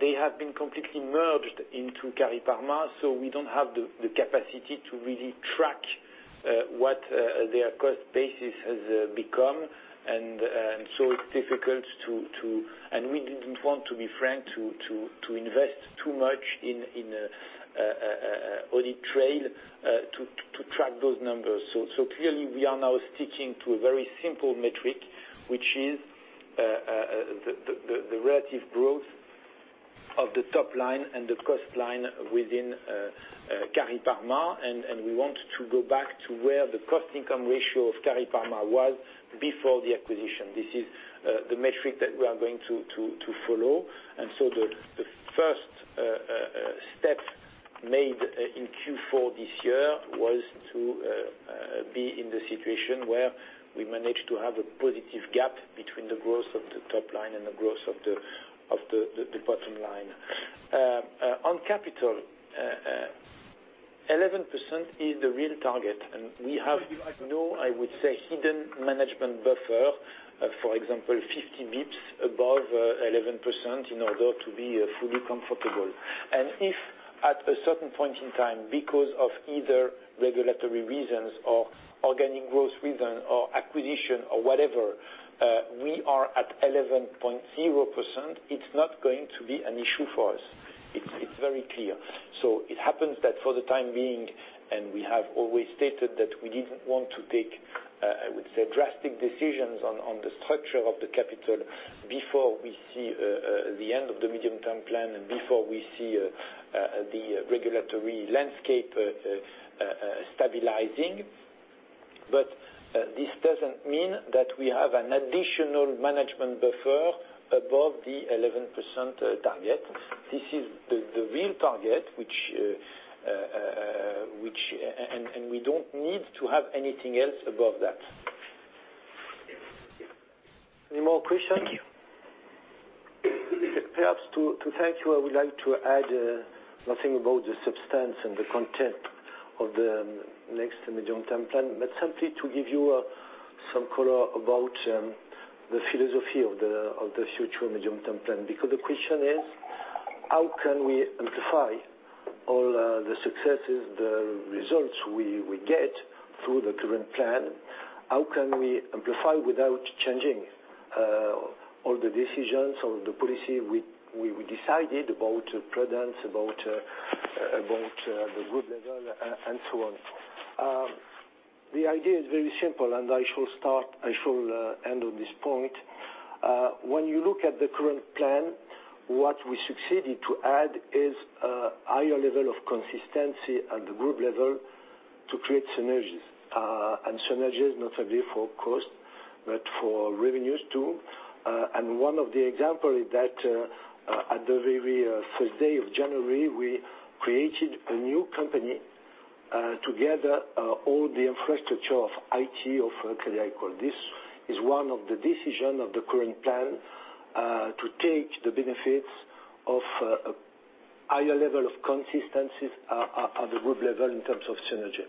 They have been completely merged into Cariparma, we don't have the capacity to really track what their cost basis has become, and we didn't want, to be frank, to invest too much in audit trail to track those numbers. Clearly we are now sticking to a very simple metric, which is the relative growth of the top line and the cost line within Cariparma. We want to go back to where the cost-income ratio of Cariparma was before the acquisition. This is the metric that we are going to follow. The first step made in Q4 this year was to be in the situation where we managed to have a positive gap between the growth of the top line and the growth of the bottom line. On capital, 11% is the real target. We have no, I would say, hidden management buffer, for example, 50 basis points above 11% in order to be fully comfortable. If at a certain point in time, because of either regulatory reasons or organic growth reason, or acquisition or whatever, we are at 11.0%, it's not going to be an issue for us. It's very clear. It happens that for the time being, we have always stated that we didn't want to take, I would say, drastic decisions on the structure of the capital before we see the end of the medium-term plan and before we see the regulatory landscape stabilizing. This doesn't mean that we have an additional management buffer above the 11% target. This is the real target, we don't need to have anything else above that. Any more questions? Thank you. Perhaps to thank you, I would like to add nothing about the substance and the content of the next medium-term plan, but something to give you some color about the philosophy of the future medium-term plan. The question is, how can we amplify all the successes, the results we get through the current plan? How can we amplify without changing all the decisions or the policy we decided about prudence, about the group level, and so on? The idea is very simple, I shall end on this point. When you look at the current plan, what we succeeded to add is a higher level of consistency at the group level to create synergies. Synergies not only for cost, but for revenues, too. One of the example is that at the very 1st day of January, we created a new company together, all the infrastructure of IT of Crédit Agricole. This is one of the decision of the current plan, to take the benefits of a higher level of consistencies at the group level in terms of synergy.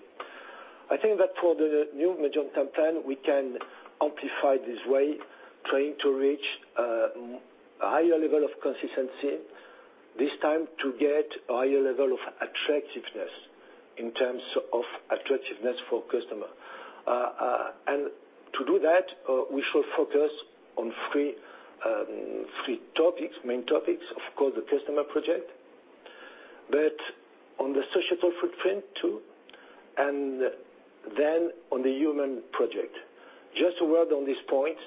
I think that for the new medium-term plan, we can amplify this way, trying to reach a higher level of consistency, this time to get a higher level of attractiveness in terms of attractiveness for customer. To do that, we shall focus on three main topics. Of course, the customer project, but on the societal footprint, too, on the human project. Just a word on this point.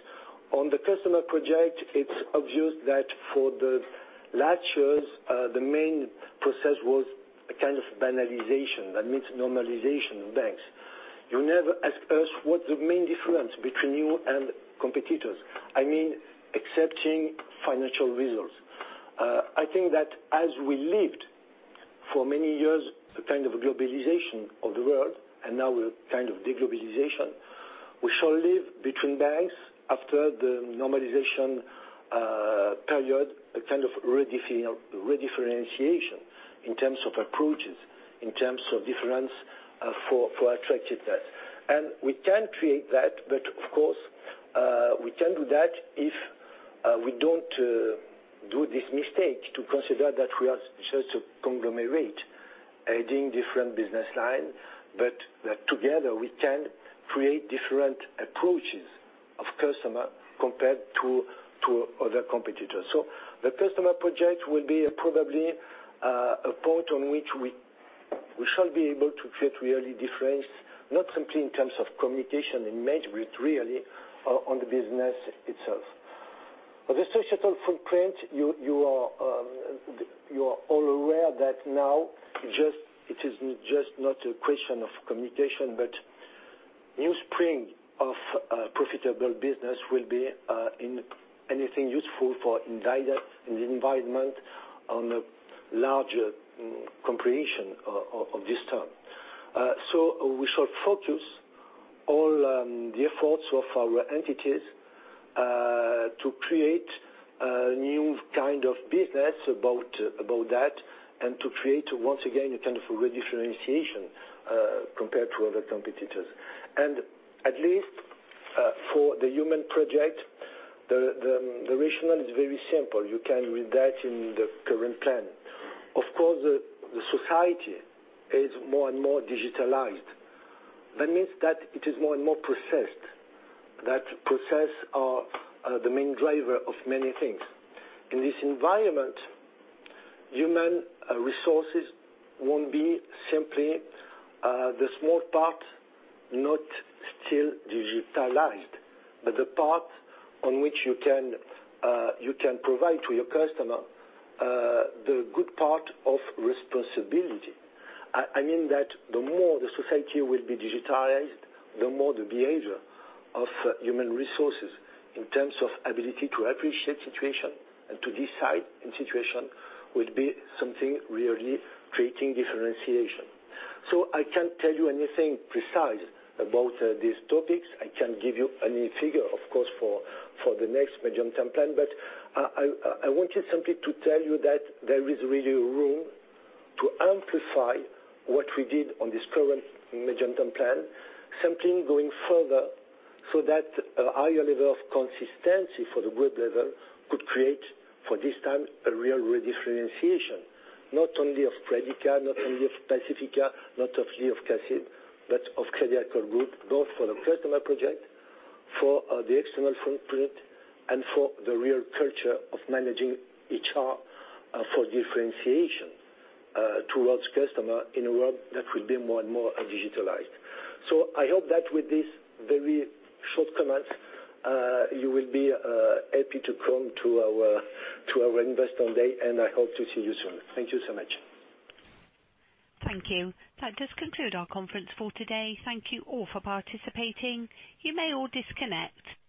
On the customer project, it's obvious that for the last years, the main process was a kind of banalization. That means normalization of banks. You never ask us what the main difference between you and competitors. I mean, excepting financial results. I think that as we lived for many years a kind of globalization of the world, now a kind of de-globalization, we shall live between banks after the normalization period, a kind of redifferentiation in terms of approaches, in terms of difference for attractiveness. We can create that, but of course, we can't do that if we don't do this mistake to consider that we are just a conglomerate adding different business line. Together, we can create different approaches of customer compared to other competitors. The customer project will be probably a point on which we shall be able to create really difference, not simply in terms of communication and management, really, on the business itself. The societal footprint, you are all aware that now it is just not a question of communication, but. New spring of profitable business will be in anything useful for the environment on a larger comprehension of this term. We shall focus all the efforts of our entities to create a new kind of business about that, and to create, once again, a kind of re-differentiation compared to other competitors. At least for the human project, the rationale is very simple. You can read that in the current plan. Of course, the society is more and more digitalized. That means that it is more and more processed. That process are the main driver of many things. In this environment, human resources won't be simply the small part, not still digitalized, but the part on which you can provide to your customer the good part of responsibility. I mean that the more the society will be digitalized, the more the behavior of human resources in terms of ability to appreciate situation and to decide in situation will be something really creating differentiation. I can't tell you anything precise about these topics. I can't give you any figure, of course, for the next medium term plan. I wanted simply to tell you that there is really room to amplify what we did on this current medium term plan, simply going further so that a higher level of consistency for the group level could create, for this time, a real re-differentiation, not only of Predica, not only of Pacifica, not of CACEIS, but of Crédit Agricole Group, both for the customer project, for the external footprint, and for the real culture of managing HR for differentiation towards customer in a world that will be more and more digitalized. I hope that with this very short comment, you will be happy to come to our Investor Day, and I hope to see you soon. Thank you so much. Thank you. That does conclude our conference for today. Thank you all for participating. You may all disconnect.